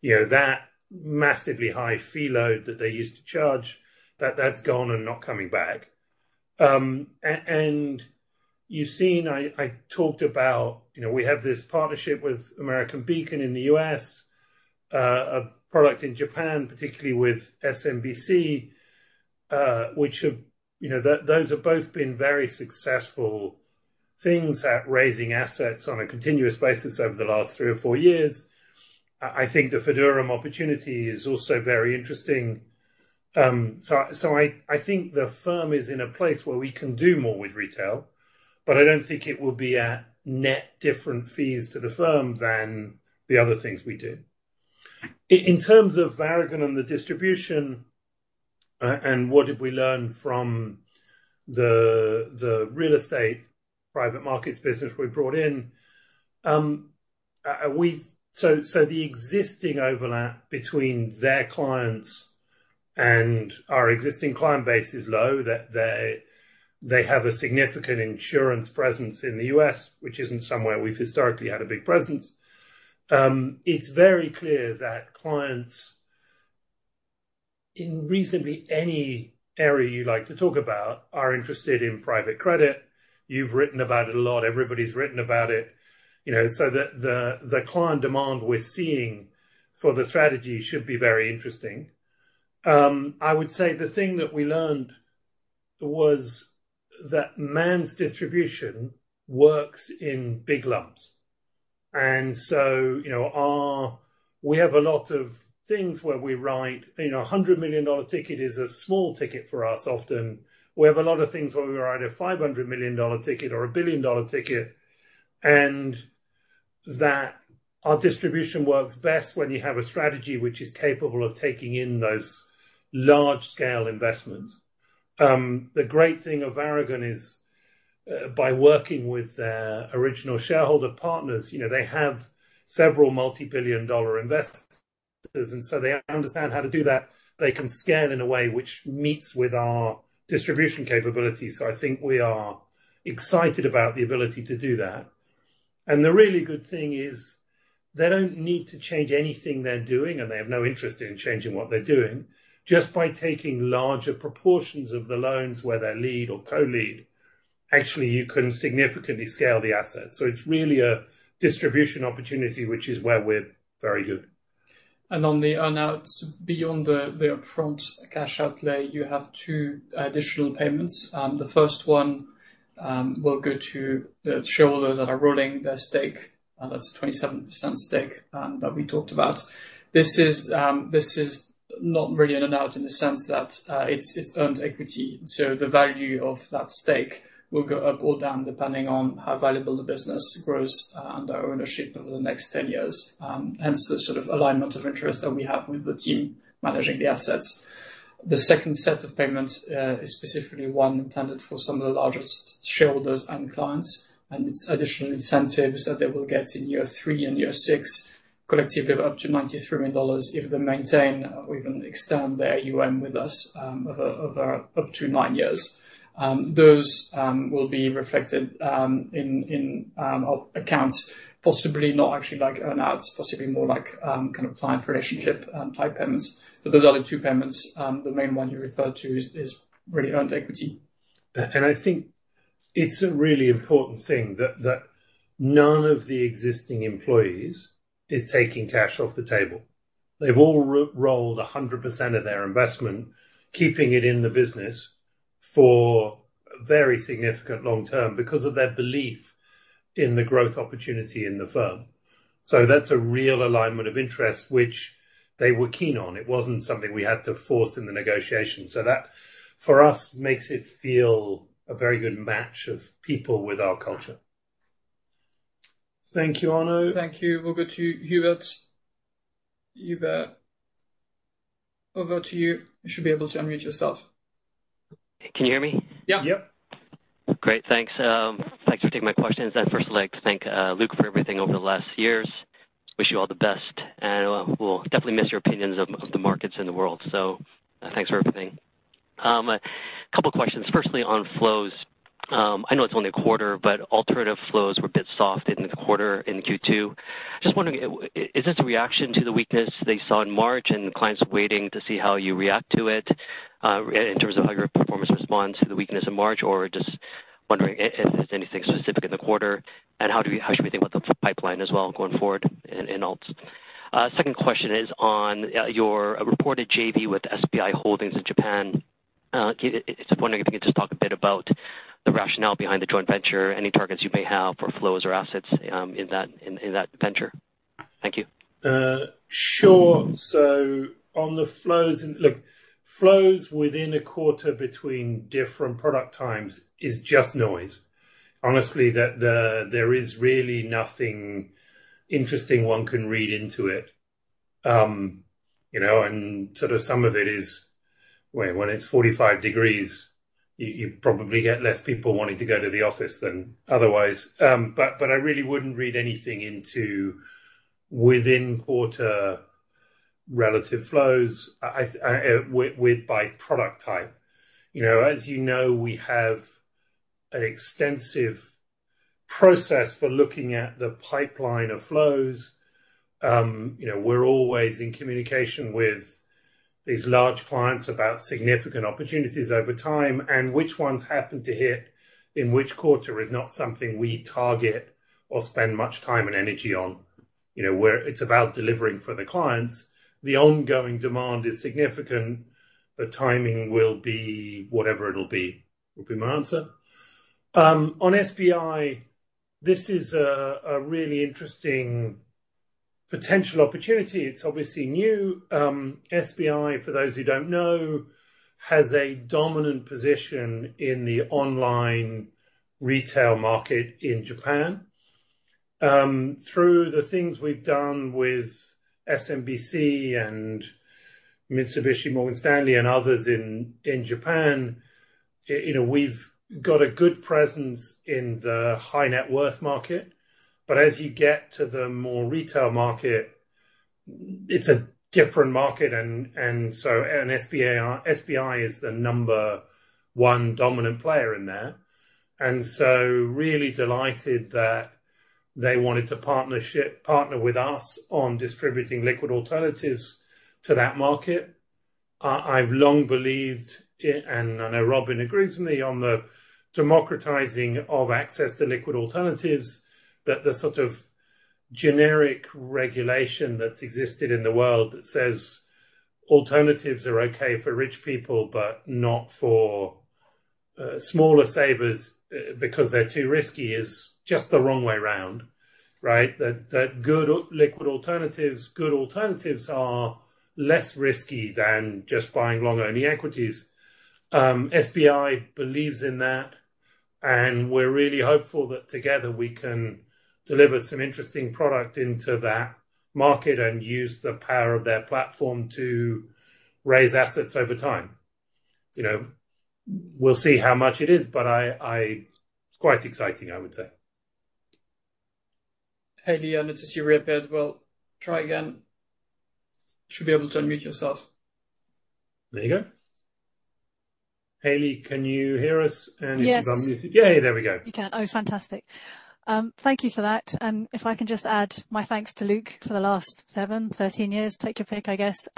You know, that massively high fee load that they used to charge, that's gone and not coming back. You've seen, I, I talked about, you know, we have this partnership with American Beacon in the US, a product in Japan, particularly with SMBC, which have... You know, that, those have both been very successful things at raising assets on a continuous basis over the last three or four years. I, I think the Fideuram opportunity is also very interesting. I, I think the firm is in a place where we can do more with retail, but I don't think it will be at net different fees to the firm than the other things we do. In terms of Varagon and the distribution, what did we learn from the, the real estate private markets business we brought in? The existing overlap between their clients and our existing client base is low. They, they, they have a significant insurance presence in the US, which isn't somewhere we've historically had a big presence. It's very clear that clients, in recently any area you'd like to talk about, are interested in private credit. You've written about it a lot. Everybody's written about it. You know, so the, the, the client demand we're seeing for the strategy should be very interesting. I would say the thing that we learned was that Man's distribution works in big lumps. So, you know, we have a lot of things where we write. You know, a $100 million ticket is a small ticket for us often. We have a lot of things where we write a $500 million ticket or a $1 billion ticket, and that our distribution works best when you have a strategy which is capable of taking in those large-scale investments. The great thing of Varagon is, by working with their original shareholder partners, you know, they have several multi-billion dollar investors, and so they understand how to do that. They can scale in a way which meets with our distribution capabilities. I think we are excited about the ability to do that. The really good thing is, they don't need to change anything they're doing, and they have no interest in changing what they're doing. Just by taking larger proportions of the loans, where they lead or co-lead, actually, you can significantly scale the assets. It's really a distribution opportunity, which is where we're very good. On the earn-outs, beyond the upfront cash outlay, you have two additional payments. The first one will go to the shareholders that are rolling their stake, and that's a 27% stake that we talked about. This is, this is not really an earn-out in the sense that it's, it's earned equity. The value of that stake will go up or down, depending on how valuable the business grows under our ownership over the next 10 years. Hence, the sort of alignment of interest that we have with the team managing the assets. The second set of payments is specifically one intended for some of the largest shareholders and clients, and it's additional incentives that they will get in year 3 and year 6, collectively up to $93 million, if they maintain or even extend their AUM with us, over, over up to 9 years. Those will be reflected in our accounts, possibly not actually like earn-outs, possibly more like kind of client relationship type payments. Those are the two payments. The main one you referred to is, is really earned equity. I think it's a really important thing that that none of the existing employees is taking cash off the table. They've all rolled 100% of their investment, keeping it in the business for very significant long term because of their belief in the growth opportunity in the firm. That's a real alignment of interest, which they were keen on. It wasn't something we had to force in the negotiation. That, for us, makes it feel a very good match of people with our culture. Thank you, Arno. Thank you. We'll go to Hubert. Hubert, over to you. You should be able to unmute yourself. Can you hear me? Yeah. Yep. Great, thanks. Thanks for taking my questions. I'd first like to thank Luke for everything over the last years. Wish you all the best, we'll definitely miss your opinions of the markets and the world. Thanks for everything. A couple questions. Firstly, on flows. I know it's only a quarter, alternative flows were a bit soft in the quarter in Q2. Just wondering, is this a reaction to the weakness they saw in March and the clients waiting to see how you react to it in terms of how your performance responds to the weakness in March? Just wondering if there's anything specific in the quarter, and how do we how should we think about the pipeline as well going forward in alts? Second question is on your reported JV with SBI Holdings in Japan. It's wondering if you can just talk a bit about the rationale behind the joint venture, any targets you may have for flows or assets, in that venture? Thank you. Sure. On the flows and look, flows within a quarter between different product times is just noise. Honestly, there is really nothing interesting one can read into it. You know, and sort of some of it is, wait, when it's 45 degrees, you, you probably get less people wanting to go to the office than otherwise. But I really wouldn't read anything into within-quarter relative flows, I, I, with by product type. You know, as you know, we have an extensive process for looking at the pipeline of flows. You know, we're always in communication with these large clients about significant opportunities over time, and which ones happen to hit in which quarter is not something we target or spend much time and energy on. You know, where it's about delivering for the clients, the ongoing demand is significant. The timing will be whatever it'll be, will be my answer. On SBI, this is a really interesting potential opportunity. It's obviously new. SBI, for those who don't know, has a dominant position in the online retail market in Japan. Through the things we've done with SMBC and Mitsubishi, Morgan Stanley, and others in Japan, you know, we've got a good presence in the high net worth market, but as you get to the more retail market, it's a different market and SBI is the number one dominant player in there. Really delighted that they wanted to partner with us on distributing liquid alternatives to that market. I've long believed, and I know Robyn agrees with me on the democratizing of access to liquid alternatives, that the sort of generic regulation that's existed in the world that says alternatives are okay for rich people, but not for smaller savers, because they're too risky, is just the wrong way around, right? That good liquid alternatives, good alternatives are less risky than just buying long-only equities. SBI believes in that, and we're really hopeful that together, we can deliver some interesting product into that market and use the power of their platform to raise assets over time. You know, we'll see how much it is, but I. It's quite exciting, I would say. Hayley, I noticed you reappeared. Well, try again. Should be able to unmute yourself. There you go. Hayley, can you hear us? and Yes. Yay, there we go! You can. Oh, fantastic. Thank you for that. If I can just add my thanks to Luke for the last 7, 13 years. Take your pick, I guess,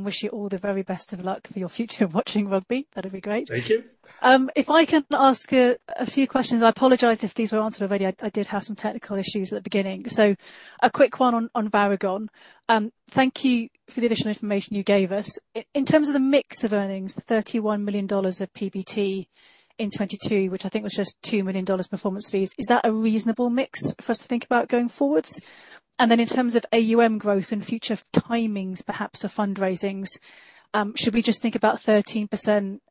wish you all the very best of luck for your future of watching rugby. That'd be great. Thank you. If I can ask a few questions. I apologize if these were answered already. I did have some technical issues at the beginning. A quick one on Varagon. Thank you for the additional information you gave us. In terms of the mix of earnings, $31 million of PBT in 2022, which I think was just $2 million performance fees, is that a reasonable mix for us to think about going forwards? In terms of AUM growth and future timings, perhaps of fundraisings, should we just think about 13%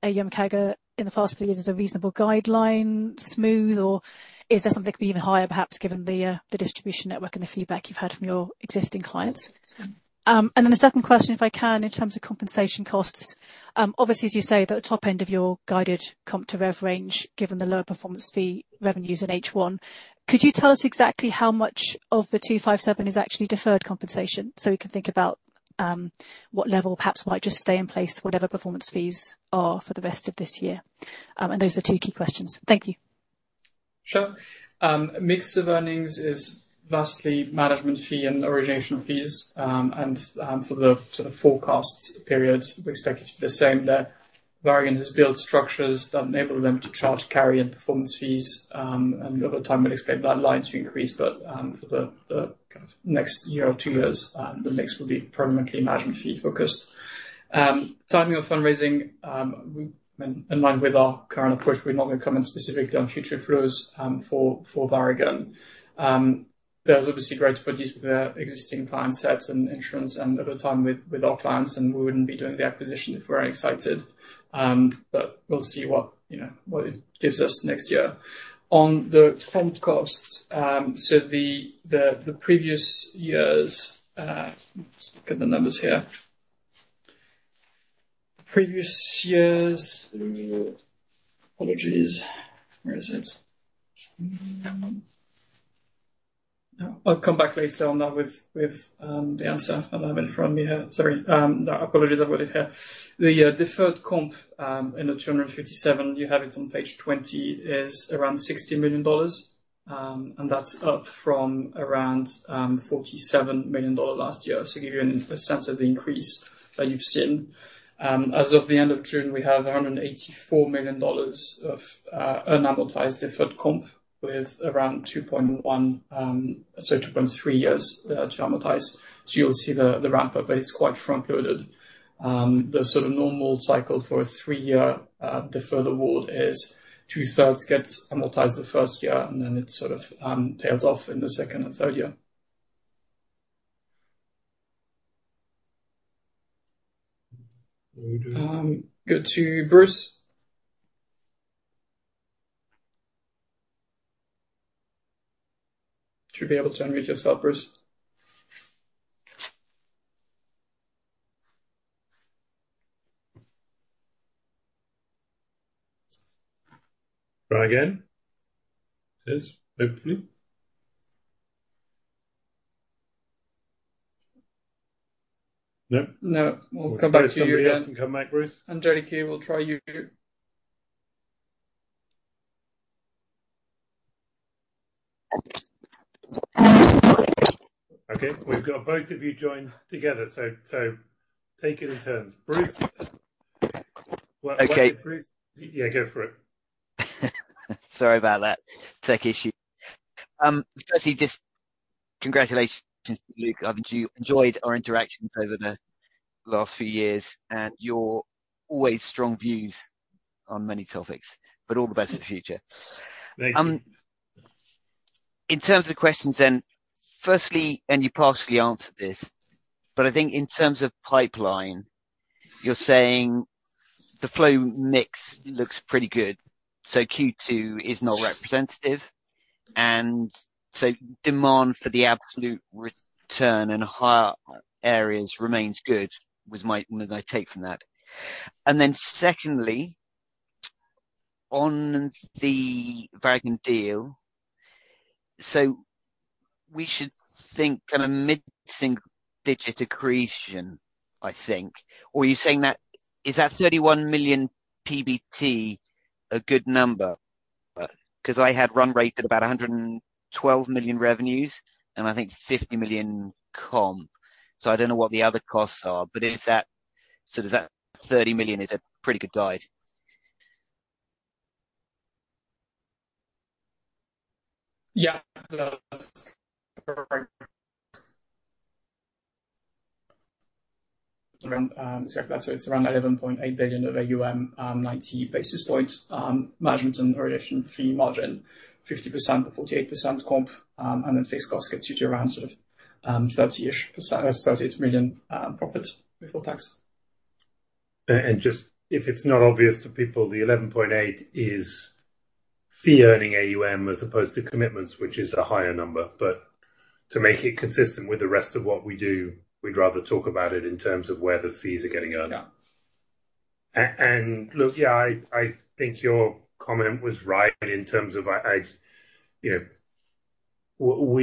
AUM CAGR in the past few years as a reasonable guideline, smooth, or is there something even higher, perhaps, given the distribution network and the feedback you've had from your existing clients? Then the second question, if I can, in terms of compensation costs, obviously, as you say, the top end of your guided comp to rev range, given the lower performance fee revenues in H1, could you tell us exactly how much of the 257 is actually deferred compensation? We can think about what level perhaps might just stay in place, whatever performance fees are for the rest of this year. Those are two key questions. Thank you. Sure. Mix of earnings is vastly management fee and origination fees. For the sort of forecast period, we expect it to be the same there. Varagon has built structures that enable them to charge carry and performance fees, and over time, we'd expect that line to increase, but for the next year or two years, the mix will be permanently management fee focused. Timing of fundraising, in line with our current approach, we're not going to comment specifically on future flows, for Varagon. There's obviously great potential for their existing client sets and insurance and over time with our clients, and we wouldn't be doing the acquisition if we're very excited. We'll see what, you know, what it gives us next year. On the front costs, the previous years, let's look at the numbers here. Previous years. Apologies. Where is it? I'll come back later on that with the answer I have in front of me here. Sorry, apologies. I've got it here. The deferred comp in the 257, you have it on page 20, is around $60 million, and that's up from around $47 million last year. To give you a sense of the increase that you've seen. As of the end of June, we have $184 million of unamortized deferred comp, with around 2.1, so 2.3 years to amortize. You'll see the ramp up, but it's quite front-loaded. The sort of normal cycle for a three-year deferred award is two-thirds gets amortized the first year, and then it sort of tails off in the second and third year. Go to Bruce. Should be able to unmute yourself, Bruce. Try again. Yes, hopefully. Nope? No. We'll come back to you again. Somebody else can come back, Bruce. Jerry K, we'll try you. Okay, we've got both of you joined together, so take it in turns. Bruce? Okay. Bruce? Yeah, go for it. Sorry about that. Tech issue. Firstly, just congratulations, Luke. I've do enjoyed our interactions over the last few years and your always strong views on many topics, but all the best for the future. Thank you. In terms of questions, firstly, you partially answered this. I think in terms of pipeline, you're saying the flow mix looks pretty good. Q2 is not representative. Demand for the absolute return in higher areas remains good, what I take from that. Secondly, on the Varagon deal, we should think kind of mid-single-digit accretion, I think? Are you saying that? Is that 31 million PBT a good number? I had run rate at about 112 million revenues and I think 50 million comp. I don't know what the other costs are, but is that, sort of, that 30 million is a pretty good guide? Yeah, that's correct. That's around $11.8 billion of AUM, 90 basis points management and origination fee margin, 50%-48% comp. Fixed costs gets you to around $38 million profit before tax. Just if it's not obvious to people, the 11.8 is fee earning AUM as opposed to commitments, which is a higher number. To make it consistent with the rest of what we do, we'd rather talk about it in terms of where the fees are getting earned. Look, yeah, I, I think your comment was right in terms of I, I, you know, What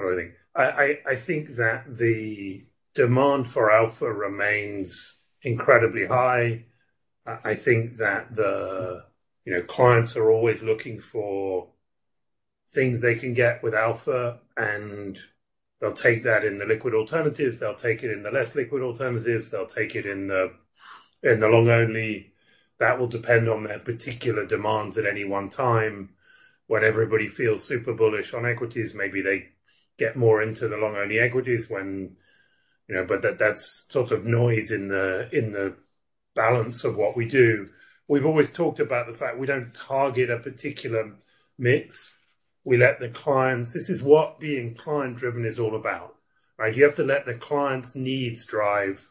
do I think? I, I, I think that the demand for alpha remains incredibly high. I, I think that the, you know, clients are always looking for things they can get with alpha, and they'll take that in the liquid alternatives, they'll take it in the less liquid alternatives, they'll take it in the, in the long only. That will depend on their particular demands at any one time. When everybody feels super bullish on equities, maybe they get more into the long only equities when. You know, but that, that's sort of noise in the balance of what we do. We've always talked about the fact we don't target a particular mix. We let the clients. This is what being client-driven is all about, right? You have to let the clients' needs drive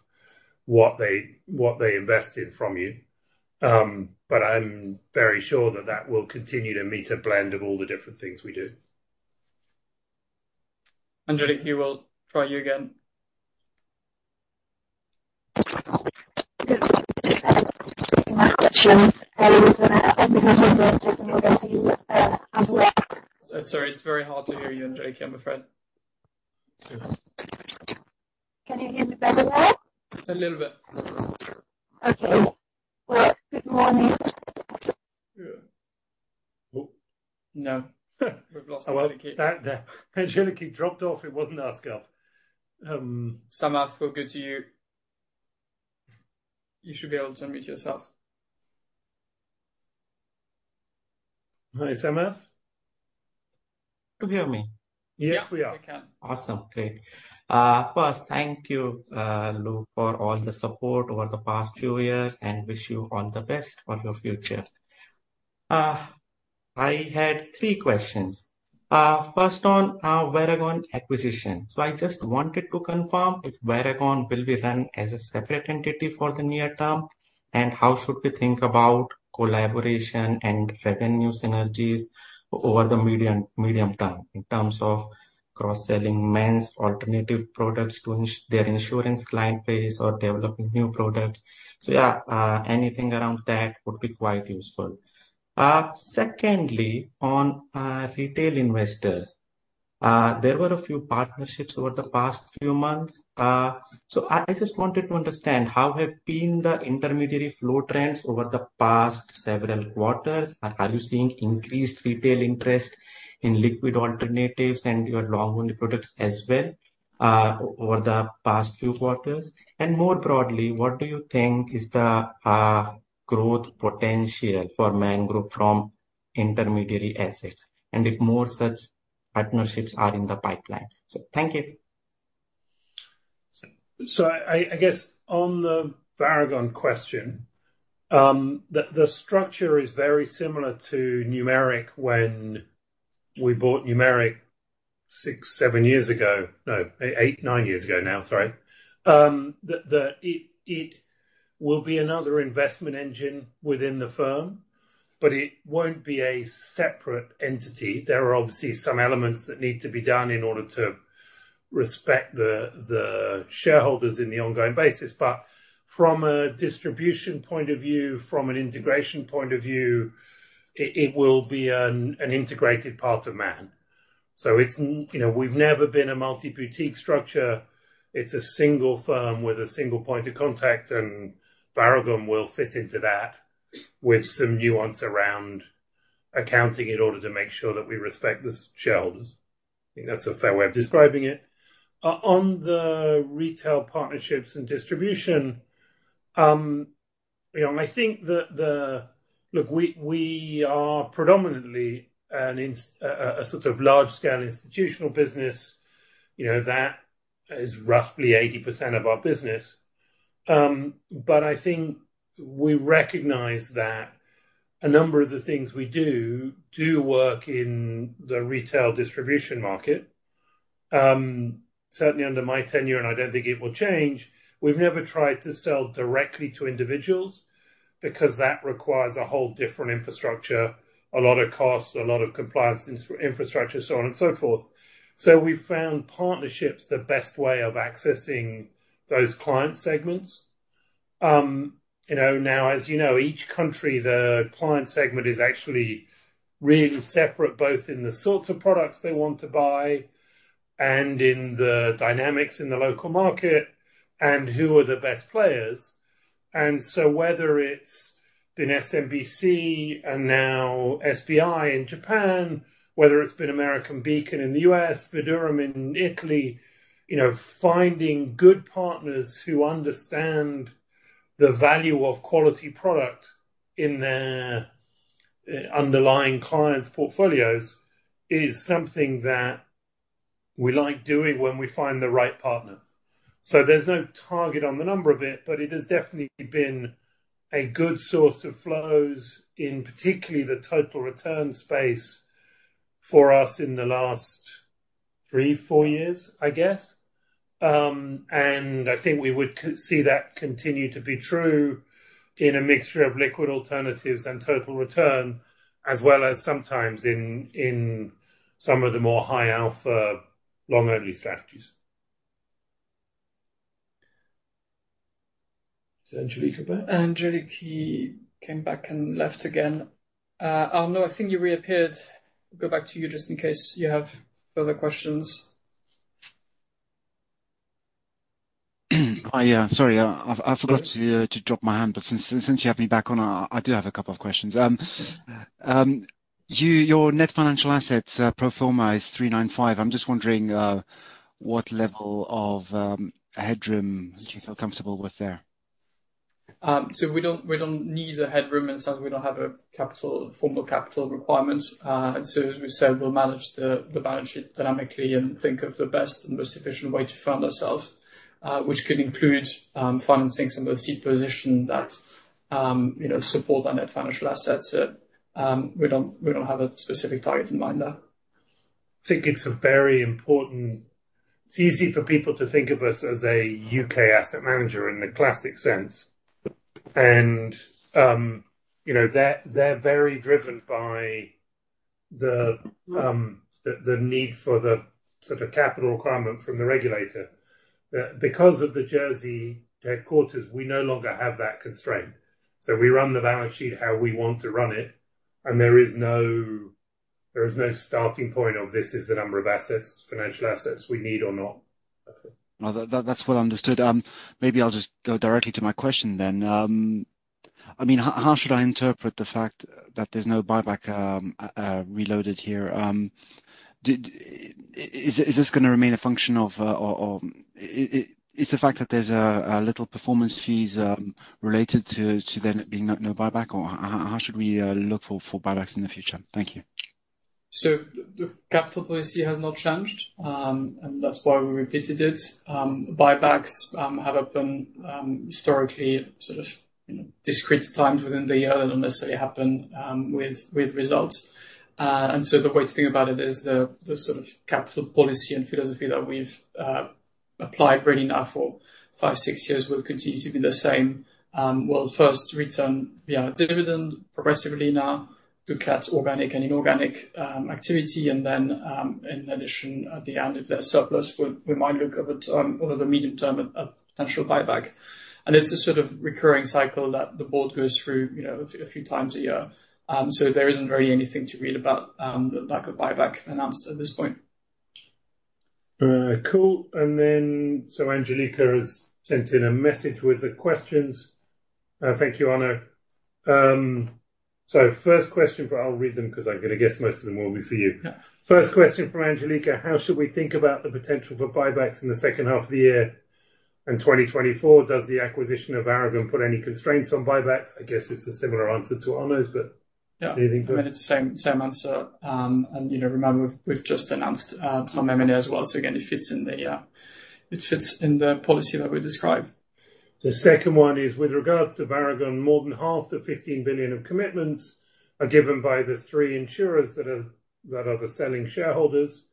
what they, what they invest in from you. I'm very sure that that will continue to meet a blend of all the different things we do. Angeliki, we'll try you again. I'm sorry. It's very hard to hear you, Angeliki, I'm afraid. Me too. Can you hear me better now? A little bit. Okay. Well, good morning. Yeah. Oh! No. We've lost Angeliki. Well, Angeliki dropped off. It wasn't our scuff. Samarth, we'll go to you. You should be able to unmute yourself. Hi, Samarth? Do you hear me? Yes, we are. Yeah, we can. Awesome. Great. First, thank you, Luke, for all the support over the past few years, and wish you all the best for your future. I had 3 questions. First on Varagon acquisition. I just wanted to confirm if Varagon will be run as a separate entity for the near term, and how should we think about collaboration and revenue synergies over the medium, medium term, in terms of cross-selling Man's alternative products to their insurance client base or developing new products? Yeah, anything around that would be quite useful. Secondly, on retail investors. There were a few partnerships over the past few months. I just wanted to understand, how have been the intermediary flow trends over the past several quarters? Are you seeing increased retail interest in liquid alternatives and your long-only products as well, over the past few quarters? More broadly, what do you think is the growth potential for Man Group from intermediary assets, and if more such partnerships are in the pipeline? Thank you. I, I guess on the Varagon question, the structure is very similar to Numeric when we bought Numeric 6, 7 years ago. No, 8, 9 years ago now, sorry. It will be another investment engine within the firm, but it won't be a separate entity. There are obviously some elements that need to be done in order to respect the shareholders in the ongoing basis. From a distribution point of view, from an integration point of view, it will be an integrated part of Man. It's, you know, we've never been a multi-boutique structure. It's a single firm with a single point of contact, and Varagon will fit into that with some nuance around accounting in order to make sure that we respect the shareholders. I think that's a fair way of describing it. On the retail partnerships and distribution, you know, I think that the. Look, we, we are predominantly a sort of large-scale institutional business. You know, that is roughly 80% of our business. But I think we recognize that a number of the things we do, do work in the retail distribution market. Certainly under my tenure, and I don't think it will change, we've never tried to sell directly to individuals because that requires a whole different infrastructure, a lot of costs, a lot of compliance infrastructure, so on and so forth. We found partnerships the best way of accessing those client segments. you know, now, as you know, each country, the client segment is actually really separate, both in the sorts of products they want to buy and in the dynamics in the local market and who are the best players. Whether it's been SMBC and now SBI in Japan, whether it's been American Beacon in the US, Fideuram in Italy, you know, finding good partners who understand the value of quality product in their underlying clients' portfolios, is something that we like doing when we find the right partner. There's no target on the number of it, but it has definitely been a good source of flows in particularly the total return space for us in the last three, four years, I guess. I think we would see that continue to be true.... in a mixture of liquid alternatives and total return, as well as sometimes in, in some of the more high alpha, long-only strategies. Is Angeliki back? Angeliki, he came back and left again. Arnaud, I think you reappeared. Go back to you just in case you have further questions. Oh, yeah, sorry, I, I forgot to drop my hand, but since, since you have me back on, I, I do have a couple of questions. You, your net financial assets, pro forma is 395. I'm just wondering what level of headroom would you feel comfortable with there? We don't, we don't need a headroom in the sense we don't have a capital, formal capital requirement. As we said, we'll manage the balance sheet dynamically and think of the best and most efficient way to fund ourselves, which could include financing some of the seed position that, you know, support our net financial assets. We don't, we don't have a specific target in mind there. It's easy for people to think of us as a U.K. asset manager in the classic sense. You know, they're very driven by the need for the sort of capital requirement from the regulator. Because of the Jersey headquarters, we no longer have that constraint. We run the balance sheet how we want to run it, and there is no starting point of this is the number of assets, financial assets we need or not. No, that, that, that's well understood. Maybe I'll just go directly to my question then. I mean, how should I interpret the fact that there's no buyback reloaded here? Is this, is this gonna remain a function of, or, or, it's the fact that there's a little performance fees related to, to then it being no, no buyback, or how should we look for, for buybacks in the future? Thank you. The capital policy has not changed, and that's why we repeated it. Buybacks have happened, historically, sort of, discrete times within the year and don't necessarily happen, with, with results. And the way to think about it is the, the sort of capital policy and philosophy that we've applied really now for 5, 6 years will continue to be the same. We'll first return via dividend progressively now, look at organic and inorganic activity, and then, in addition, at the end, if there's surplus, we, we might look at it over the medium term, at potential buyback. It's a sort of recurring cycle that the board goes through, you know, a few times a year. There isn't really anything to read about, the lack of buyback announced at this point. Cool. Angeliki has sent in a message with the questions. Thank you, Arnaud. First question for. I'll read them because I'm gonna guess most of them will be for you. Yeah. First question from Angeliki: How should we think about the potential for buybacks in the second half of the year, in 2024? Does the acquisition of Varagon put any constraints on buybacks? I guess it's a similar answer to Arnaud's. Yeah. Anything- I mean, it's the same, same answer. You know, remember, we've just announced some M&A as well. Again, it fits in the, it fits in the policy that we described. The second one is: With regards to Varagon, more than half the $15 billion of commitments are given by the three insurers that are the selling shareholders.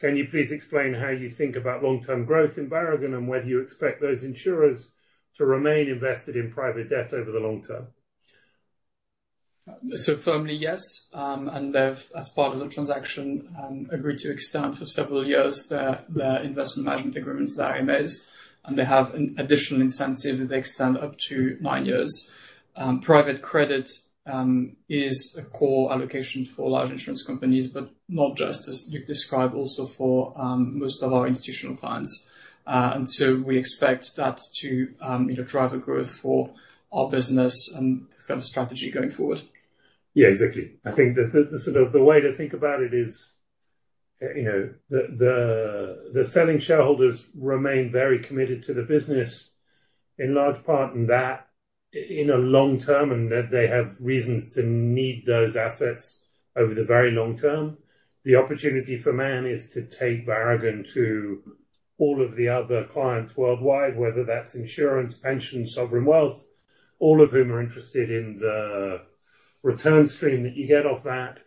Can you please explain how you think about long-term growth in Varagon, and whether you expect those insurers to remain invested in private debt over the long term? Firmly, yes. They've, as part of the transaction, agreed to extend for several years their, their Investment Management Agreements, their IMAs, and they have an additional incentive if they extend up to 9 years. Private credit is a core allocation for large insurance companies, but not just as you described, also for most of our institutional clients. We expect that to, you know, drive the growth for our business and this kind of strategy going forward. Yeah, exactly. I think the, the, sort of the way to think about it is, you know, the, the, the selling shareholders remain very committed to the business, in large part in that, in a long term, and that they have reasons to need those assets over the very long term. The opportunity for Man is to take Varagon to all of the other clients worldwide, whether that's insurance, pension, sovereign wealth, all of whom are interested in the return stream that you get off that,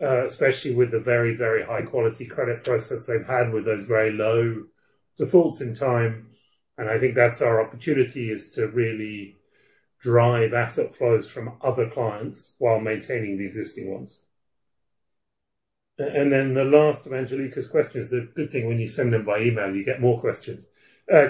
especially with the very, very high-quality credit process they've had with those very low defaults in time. I think that's our opportunity, is to really drive asset flows from other clients while maintaining the existing ones. Then the last of Angeliki's question is. The good thing when you send them by email, you get more questions.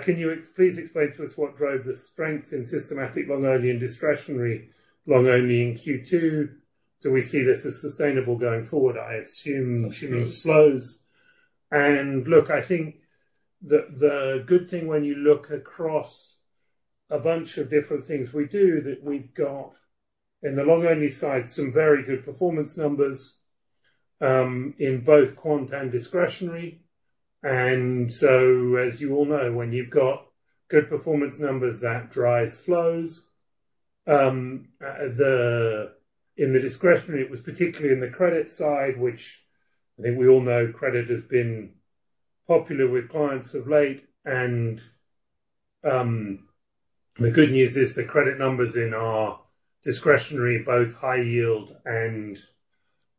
Can you please explain to us what drove the strength in systematic long-only and discretionary long-only in Q2? Do we see this as sustainable going forward? I assume she means flows. Flows. Look, I think the good thing when you look across a bunch of different things we do, that we've got, in the long-only side, some very good performance numbers, in both quant and discretionary. So, as you all know, when you've got good performance numbers, that drives flows. In the discretionary, it was particularly in the credit side, which I think we all know credit has been popular with clients of late. The good news is the credit numbers in our discretionary, both high yield and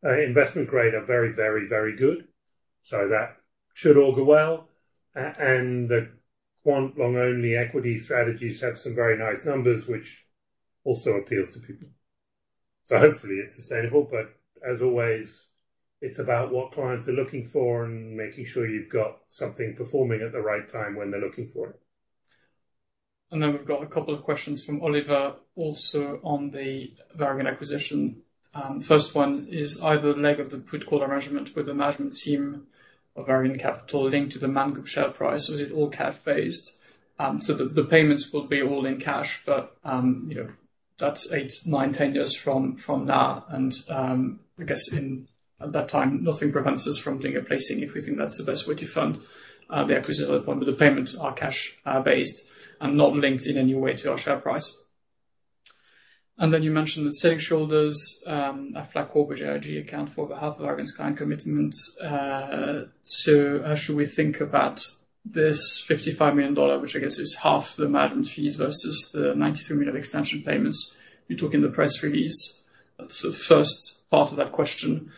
investment grade are very, very, very good, so that should all go well. The quant long-only equity strategies have some very nice numbers, which also appeals to people. Hopefully it's sustainable, but as always, it's about what clients are looking for and making sure you've got something performing at the right time when they're looking for it. We've got a couple of questions from Oliver, also on the Varagon acquisition. First one is either leg of the put call arrangement with the management team of Varagon Capital linked to the Man Group share price. So it all cash-based? So the payments will be all in cash, but, you know, that's eight, nine, 10 years from now. I guess at that time, nothing prevents us from doing a placing if we think that's the best way to fund the acquisition. The payments are cash based and not linked in any way to our share price. You mentioned the selling shareholders at Flat Corporate IG, account for half of our client commitments. How should we think about this $55 million, which I guess is half the management fees, versus the $93 million extension payments you took in the press release? That's the first part of that question.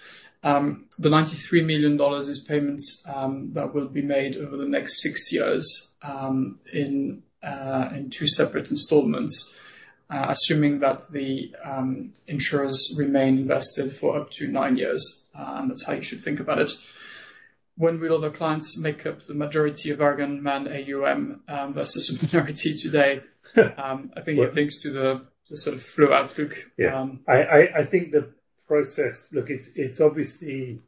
The $93 million is payments that will be made over the next 6 years in 2 separate installments, assuming that the insurers remain invested for up to 9 years. That's how you should think about it. When will other clients make up the majority of Varagon Man AUM versus the majority today? I think it links to the, the sort of flow outlook. Yeah. I think the process. Look, it's, it's obviously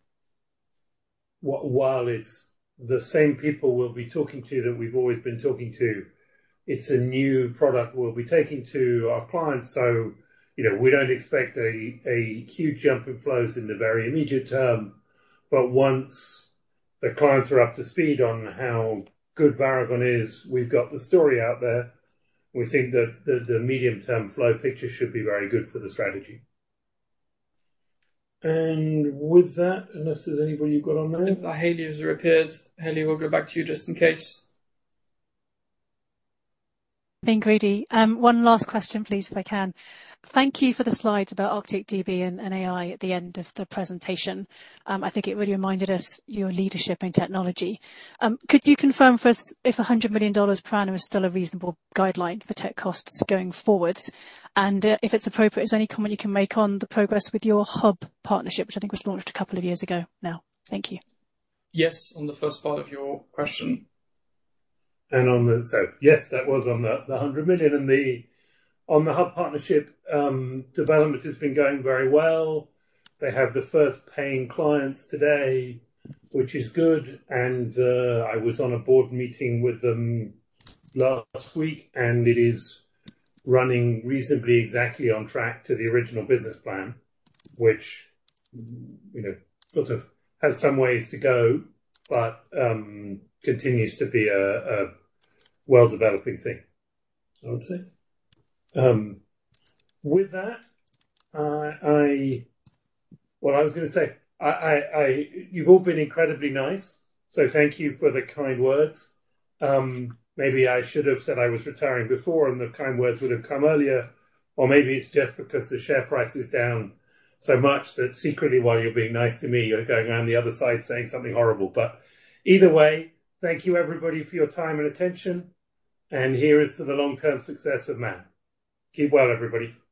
while, while it's the same people we'll be talking to that we've always been talking to, it's a new product we'll be taking to our clients. you know, we don't expect a huge jump in flows in the very immediate term, but once the clients are up to speed on how good Varagon is, we've got the story out there. We think that the medium-term flow picture should be very good for the strategy. With that, unless there's anybody you've got on line? I think that Hailey has reappeared. Hailey, we'll go back to you just in case. Thank you, Rudy. One last question, please, if I can. Thank you for the slides about ArcticDB and, and AI at the end of the presentation. I think it really reminded us your leadership in technology. Could you confirm for us if $100 million per annum is still a reasonable guideline for tech costs going forward? If it's appropriate, is there any comment you can make on the progress with your hub partnership, which I think was launched a couple of years ago now. Thank you. Yes, on the first part of your question. Yes, that was on the, the $100 million. On the hub partnership, development has been going very well. They have the first paying clients today, which is good, and I was on a board meeting with them last week, and it is running reasonably exactly on track to the original business plan, which, you know, sort of has some ways to go, but continues to be a, a well-developing thing, I would say. With that, What I was gonna say, I, you've all been incredibly nice, so thank you for the kind words. Maybe I should have said I was retiring before and the kind words would have come earlier, or maybe it's just because the share price is down so much that secretly, while you're being nice to me, you're going on the other side saying something horrible. Either way, thank you everybody for your time and attention, and here is to the long-term success of Man. Keep well, everybody.